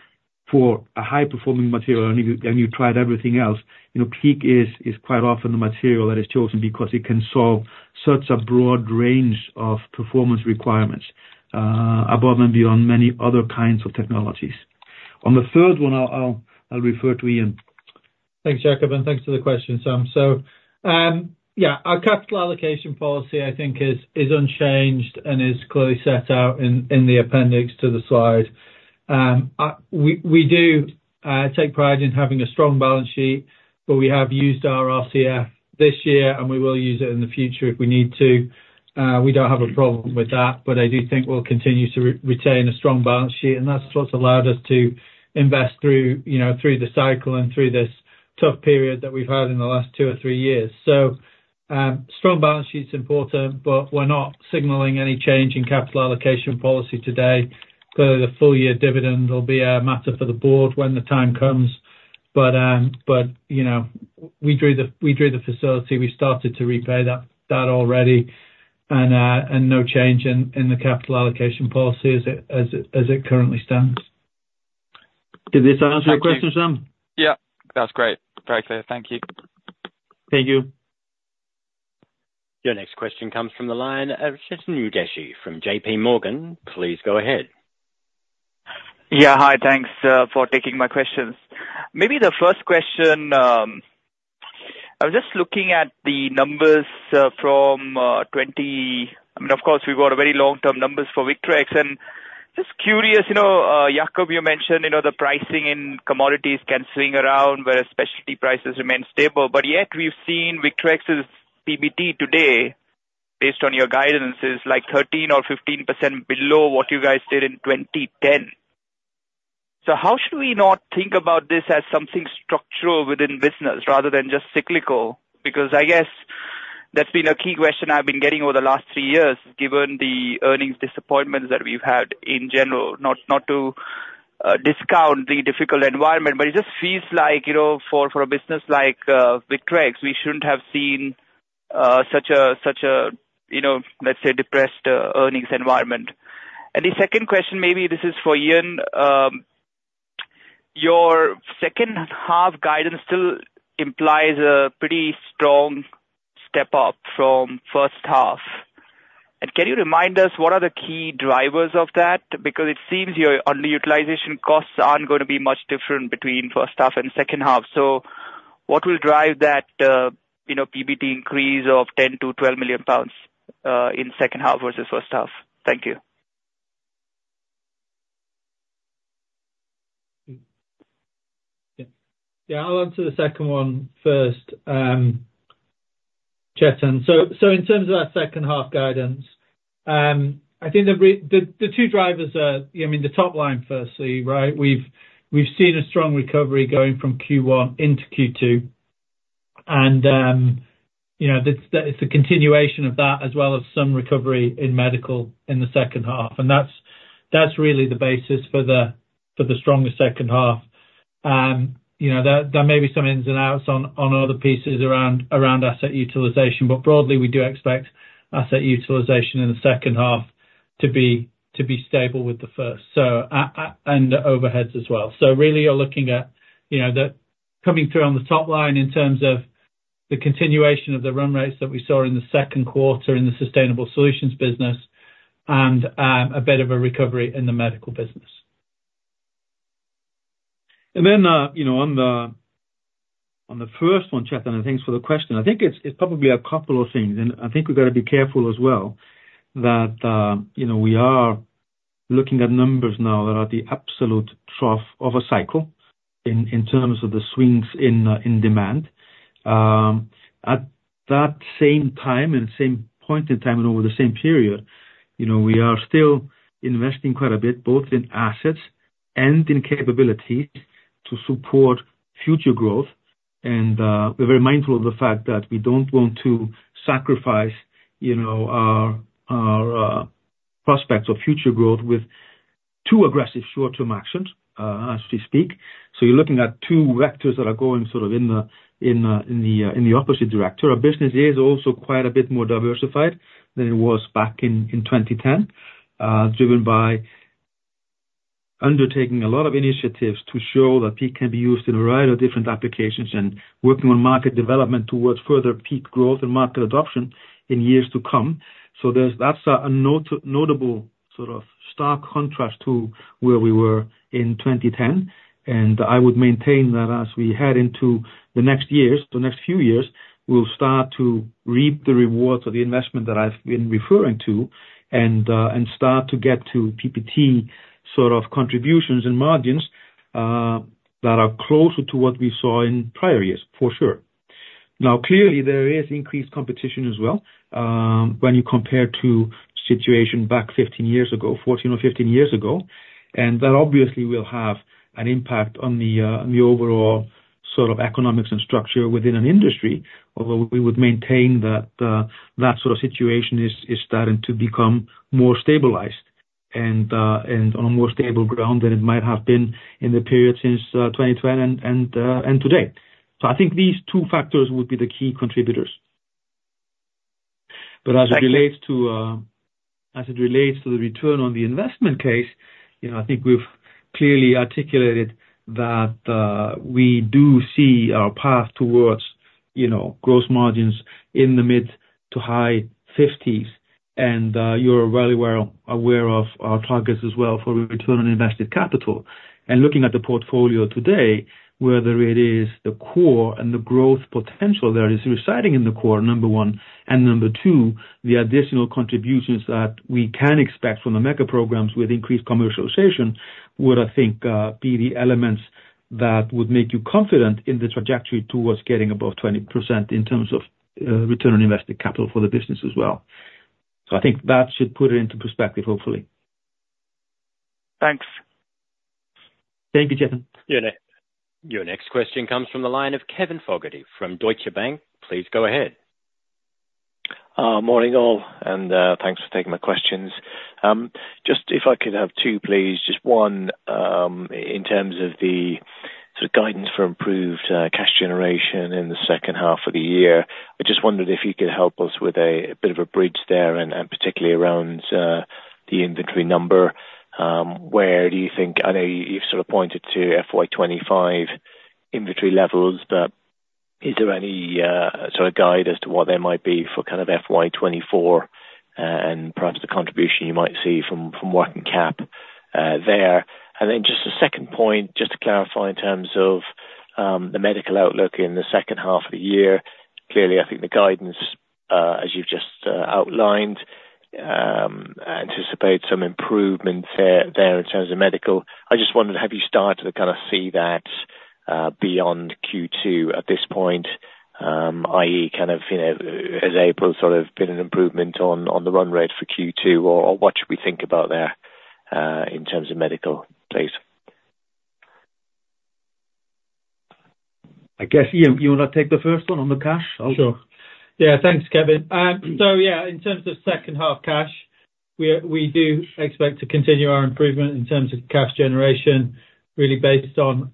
for a high-performing material and you've tried everything else, PEEK is quite often the material that is chosen because it can solve such a broad range of performance requirements above and beyond many other kinds of technologies. On the third one, I'll refer to Ian. Thanks, Jakob. And thanks for the question, Sam. So yeah, our capital allocation policy, I think, is unchanged and is clearly set out in the appendix to the slide. We do take pride in having a strong balance sheet, but we have used our RCF this year, and we will use it in the future if we need to. We don't have a problem with that, but I do think we'll continue to retain a strong balance sheet. And that's what's allowed us to invest through the cycle and through this tough period that we've had in the last two or three years. So strong balance sheet's important, but we're not signaling any change in capital allocation policy today. Clearly, the full-year dividend will be a matter for the board when the time comes. But we drew the facility. We started to repay that already, and no change in the capital allocation policy as it currently stands. Did this answer your question, Sam? Yeah, that's great. Very clear. Thank you. Thank you. Your next question comes from the line. Chetan Udeshi from J.P. Morgan. Please go ahead. Yeah, hi. Thanks for taking my questions. Maybe the first question, I was just looking at the numbers from I mean, of course, we've got very long-term numbers for Victrex. And just curious, Jakob, you mentioned the pricing in commodities can swing around whereas specialty prices remain stable. But yet, we've seen Victrex's PBT today, based on your guidance, is like 13% or 15% below what you guys did in 2010. So how should we not think about this as something structural within business rather than just cyclical? Because I guess that's been a key question I've been getting over the last three years, given the earnings disappointments that we've had in general, not to discount the difficult environment, but it just feels like for a business like Victrex, we shouldn't have seen such a, let's say, depressed earnings environment. The second question, maybe this is for Ian, your second-half guidance still implies a pretty strong step up from first half. And can you remind us what are the key drivers of that? Because it seems your underutilization costs aren't going to be much different between first half and second half. So what will drive that PBT increase of 10 million-12 million pounds in second half versus first half? Thank you. Yeah, I'll answer the second one first, Chetan. So in terms of our second-half guidance, I think the two drivers are I mean, the top line firstly, right? We've seen a strong recovery going from Q1 into Q2. It's a continuation of that as well as some recovery in medical in the second half. That's really the basis for the stronger second half. There may be some ins and outs on other pieces around asset utilization, but broadly, we do expect asset utilization in the second half to be stable with the first and overheads as well. So really, you're looking at that coming through on the top line in terms of the continuation of the run rates that we saw in the second quarter in the sustainable solutions business and a bit of a recovery in the medical business. Then on the first one, Chetan, and thanks for the question. I think it's probably a couple of things. I think we've got to be careful as well that we are looking at numbers now that are the absolute trough of a cycle in terms of the swings in demand. At that same time and same point in time and over the same period, we are still investing quite a bit, both in assets and in capabilities to support future growth. We're very mindful of the fact that we don't want to sacrifice our prospects of future growth with too aggressive short-term actions, as we speak. So you're looking at two vectors that are going sort of in the opposite direction. Our business is also quite a bit more diversified than it was back in 2010, driven by undertaking a lot of initiatives to show that PEEK can be used in a variety of different applications and working on market development towards further PEEK growth and market adoption in years to come. So that's a notable sort of stark contrast to where we were in 2010. And I would maintain that as we head into the next years, the next few years, we'll start to reap the rewards of the investment that I've been referring to and start to get to PBT sort of contributions and margins that are closer to what we saw in prior years, for sure. Now, clearly, there is increased competition as well when you compare to the situation back 15 years ago, 14 or 15 years ago. And that obviously will have an impact on the overall sort of economics and structure within an industry, although we would maintain that that sort of situation is starting to become more stabilized and on a more stable ground than it might have been in the period since 2010 and today. So I think these two factors would be the key contributors. But as it relates to the return on the investment case, I think we've clearly articulated that we do see our path towards gross margins in the mid- to high 50s. And you're very well aware of our targets as well for return on invested capital. Looking at the portfolio today, whether it is the core and the growth potential that is residing in the core, number one, and number two, the additional contributions that we can expect from the mega programmes with increased commercialisation would, I think, be the elements that would make you confident in the trajectory towards getting above 20% in terms of return on invested capital for the business as well. So I think that should put it into perspective, hopefully. Thanks. Thank you, Chetan. Your next question comes from the line of Kevin Fogarty from Deutsche Bank. Please go ahead. Morning, all. And thanks for taking my questions. Just if I could have two, please. Just one in terms of the sort of guidance for improved cash generation in the second half of the year. I just wondered if you could help us with a bit of a bridge there, and particularly around the inventory number. Where do you think? I know you've sort of pointed to FY25 inventory levels, but is there any sort of guide as to what there might be for kind of FY24 and perhaps the contribution you might see from working cap there? And then just a second point, just to clarify in terms of the medical outlook in the second half of the year. Clearly, I think the guidance, as you've just outlined, anticipates some improvement there in terms of medical. I just wondered, have you started to kind of see that beyond Q2 at this point, i.e., kind of has April sort of been an improvement on the run rate for Q2, or what should we think about there in terms of medical, please? I guess, Ian, you want to take the first one on the cash? Sure. Yeah, thanks, Kevin. So yeah, in terms of second-half cash, we do expect to continue our improvement in terms of cash generation, really based on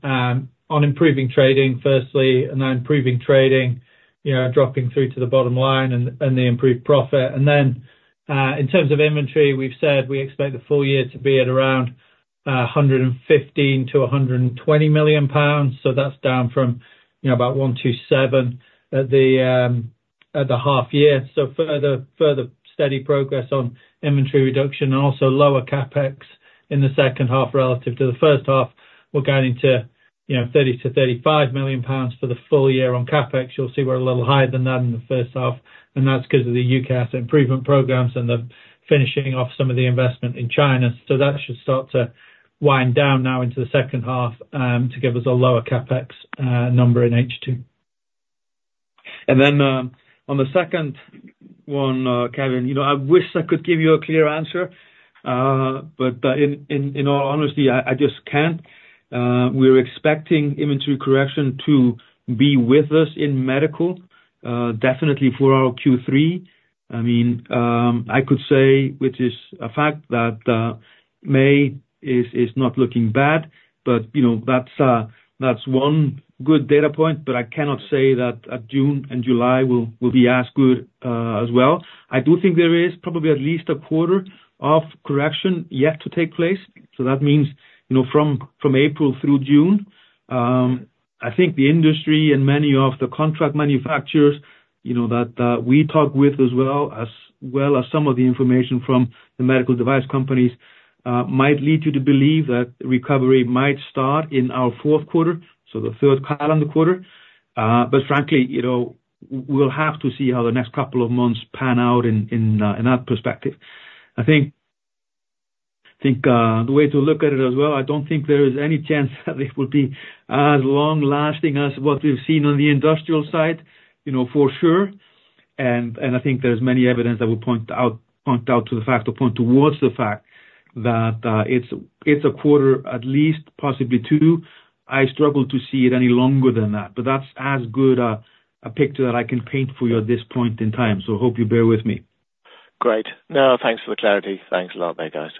improving trading, firstly, and then improving trading, dropping through to the bottom line and the improved profit. And then in terms of inventory, we've said we expect the full year to be at around 115 million-120 million pounds. So that's down from about 127 million at the half-year. So further steady progress on inventory reduction and also lower CapEx in the second half relative to the first half. We're going into 30 million-35 million pounds for the full year on CapEx. You'll see we're a little higher than that in the first half. And that's because of the UK asset improvement programs and the finishing off some of the investment in China. That should start to wind down now into the second half to give us a lower CapEx number in H2. And then on the second one, Kevin, I wish I could give you a clear answer, but in all honesty, I just can't. We're expecting inventory correction to be with us in medical, definitely for our Q3. I mean, I could say, which is a fact, that May is not looking bad. But that's one good data point. But I cannot say that June and July will be as good as well. I do think there is probably at least a quarter of correction yet to take place. So that means from April through June, I think the industry and many of the contract manufacturers that we talk with as well, as well as some of the information from the medical device companies, might lead you to believe that recovery might start in our fourth quarter, so the third calendar quarter. But frankly, we'll have to see how the next couple of months pan out in that perspective. I think the way to look at it as well, I don't think there is any chance that it will be as long-lasting as what we've seen on the industrial side, for sure. And I think there's many evidence that will point out to the fact or point towards the fact that it's a quarter, at least, possibly two. I struggle to see it any longer than that. But that's as good a picture that I can paint for you at this point in time. So I hope you bear with me. Great. No, thanks for the clarity. Thanks a lot, there, guys.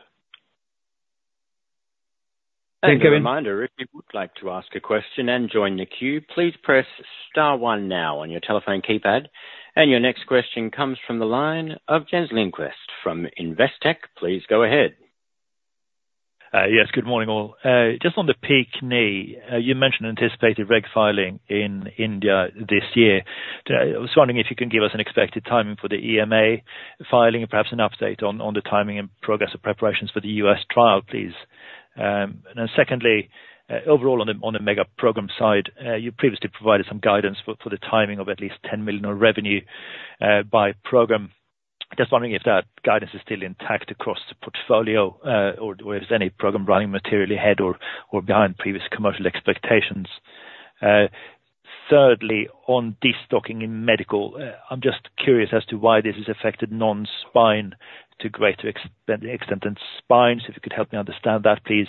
Thank you, Kevin. As a reminder, if you would like to ask a question and join the queue, please press star one now on your telephone keypad. Your next question comes from the line of Jens Lindqvist from Investec. Please go ahead. Yes, good morning, all. Just on the PEEK Knee, you mentioned anticipated reg filing in India this year. I was wondering if you can give us an expected timing for the EMA filing and perhaps an update on the timing and progress of preparations for the US trial, please. And then secondly, overall on the Magma program side, you previously provided some guidance for the timing of at least 10 million of revenue by program. Just wondering if that guidance is still intact across the portfolio or if there's any program running materially ahead or behind previous commercial expectations. Thirdly, on destocking in medical, I'm just curious as to why this has affected non-spine to greater extent than spine, so if you could help me understand that, please.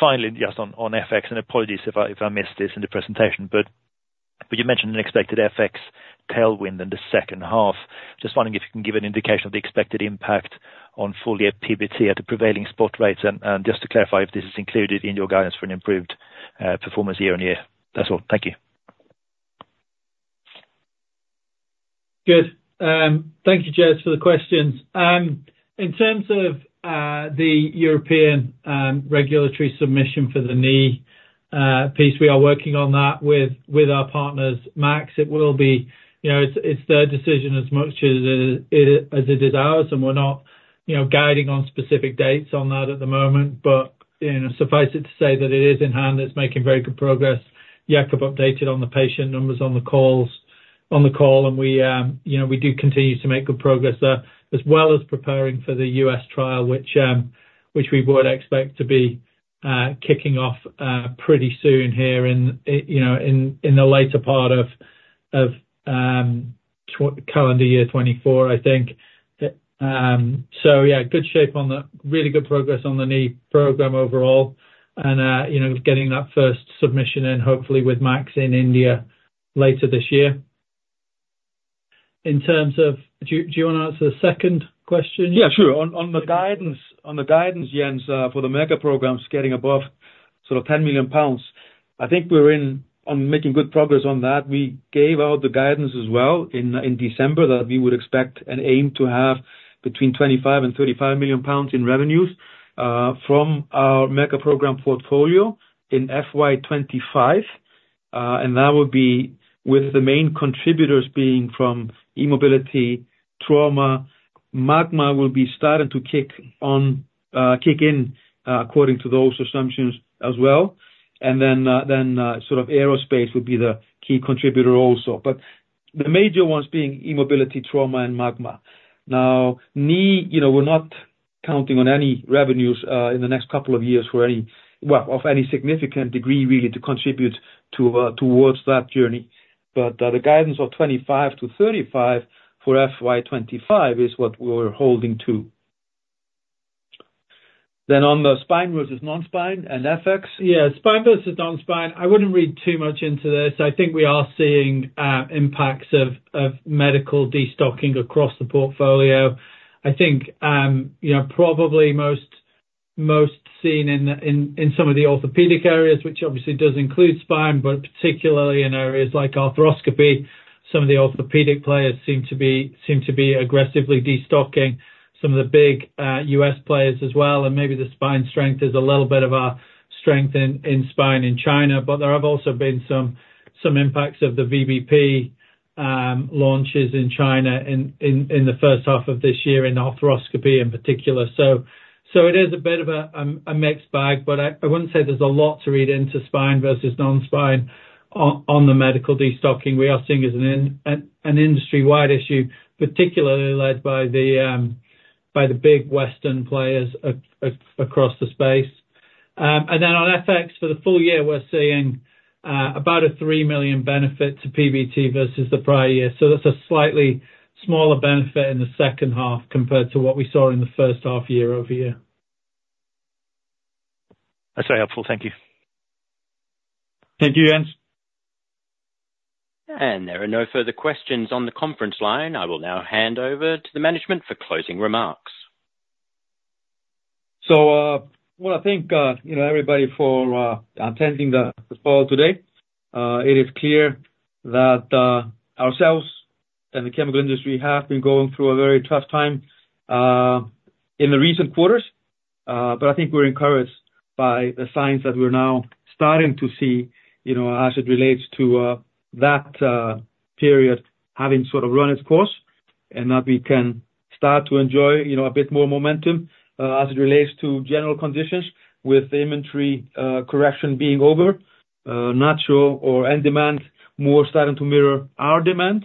Finally, just on FX, and apologies if I missed this in the presentation, but you mentioned an expected FX tailwind in the second half. Just wondering if you can give an indication of the expected impact on full-year PBT at the prevailing spot rates? Just to clarify, if this is included in your guidance for an improved performance year on year? That's all. Thank you. Good. Thank you, Jens, for the questions. In terms of the European regulatory submission for the knee piece, we are working on that with our partners, Maxx. It will be it's their decision as much as it is ours. And we're not guiding on specific dates on that at the moment. But suffice it to say that it is in hand. It's making very good progress. Jakob updated on the patient numbers on the call. And we do continue to make good progress there, as well as preparing for the U.S. trial, which we would expect to be kicking off pretty soon here in the later part of calendar year 2024, I think. So yeah, good shape on the really good progress on the knee program overall and getting that first submission in, hopefully, with Maxx in India later this year. In terms of, do you want to answer the second question? Yeah, sure. On the guidance, Jens, for the mega programs getting above sort of 10 million pounds, I think we're making good progress on that. We gave out the guidance as well in December that we would expect and aim to have between 25 million and 35 million pounds in revenues from our mega program portfolio in FY25. And that will be with the main contributors being from e-mobility, trauma. Magma will be starting to kick in according to those assumptions as well. And then sort of aerospace would be the key contributor also, but the major ones being e-mobility, trauma, and Magma. Now, knee, we're not counting on any revenues in the next couple of years for any, well, of any significant degree, really, to contribute towards that journey. But the guidance of 25 million to 35 million for FY25 is what we're holding to. Then on the spine versus non-spine and FX. Yeah, spine versus non-spine. I wouldn't read too much into this. I think we are seeing impacts of medical destocking across the portfolio. I think probably most seen in some of the orthopedic areas, which obviously does include spine, but particularly in areas like arthroscopy, some of the orthopedic players seem to be aggressively destocking, some of the big U.S. players as well. And maybe the spine strength is a little bit of our strength in spine in China. But there have also been some impacts of the VBP launches in China in the first half of this year in arthroscopy in particular. So it is a bit of a mixed bag. But I wouldn't say there's a lot to read into spine versus non-spine on the medical destocking. We are seeing it as an industry-wide issue, particularly led by the big Western players across the space. And then on FX, for the full year, we're seeing about a 3 million benefit to PBT versus the prior year. So that's a slightly smaller benefit in the second half compared to what we saw in the first half year over here. That's very helpful. Thank you. Thank you, Jens. There are no further questions on the conference line. I will now hand over to the management for closing remarks. So, well, I think everybody for attending the call today. It is clear that ourselves and the chemical industry have been going through a very tough time in the recent quarters. But I think we're encouraged by the signs that we're now starting to see as it relates to that period having sort of run its course and that we can start to enjoy a bit more momentum as it relates to general conditions with the inventory correction being over, natural or in demand, more starting to mirror our demand,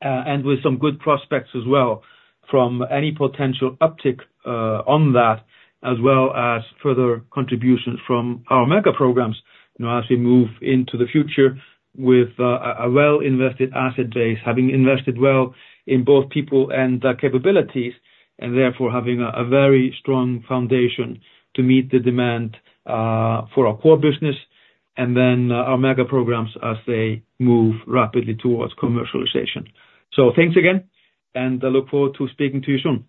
and with some good prospects as well from any potential uptick on that, as well as further contributions from our mega programs as we move into the future with a well-invested asset base, having invested well in both people and capabilities, and therefore having a very strong foundation to meet the demand for our core business and then our mega programs as they move rapidly toward commercialization. So thanks again. And I look forward to speaking to you soon.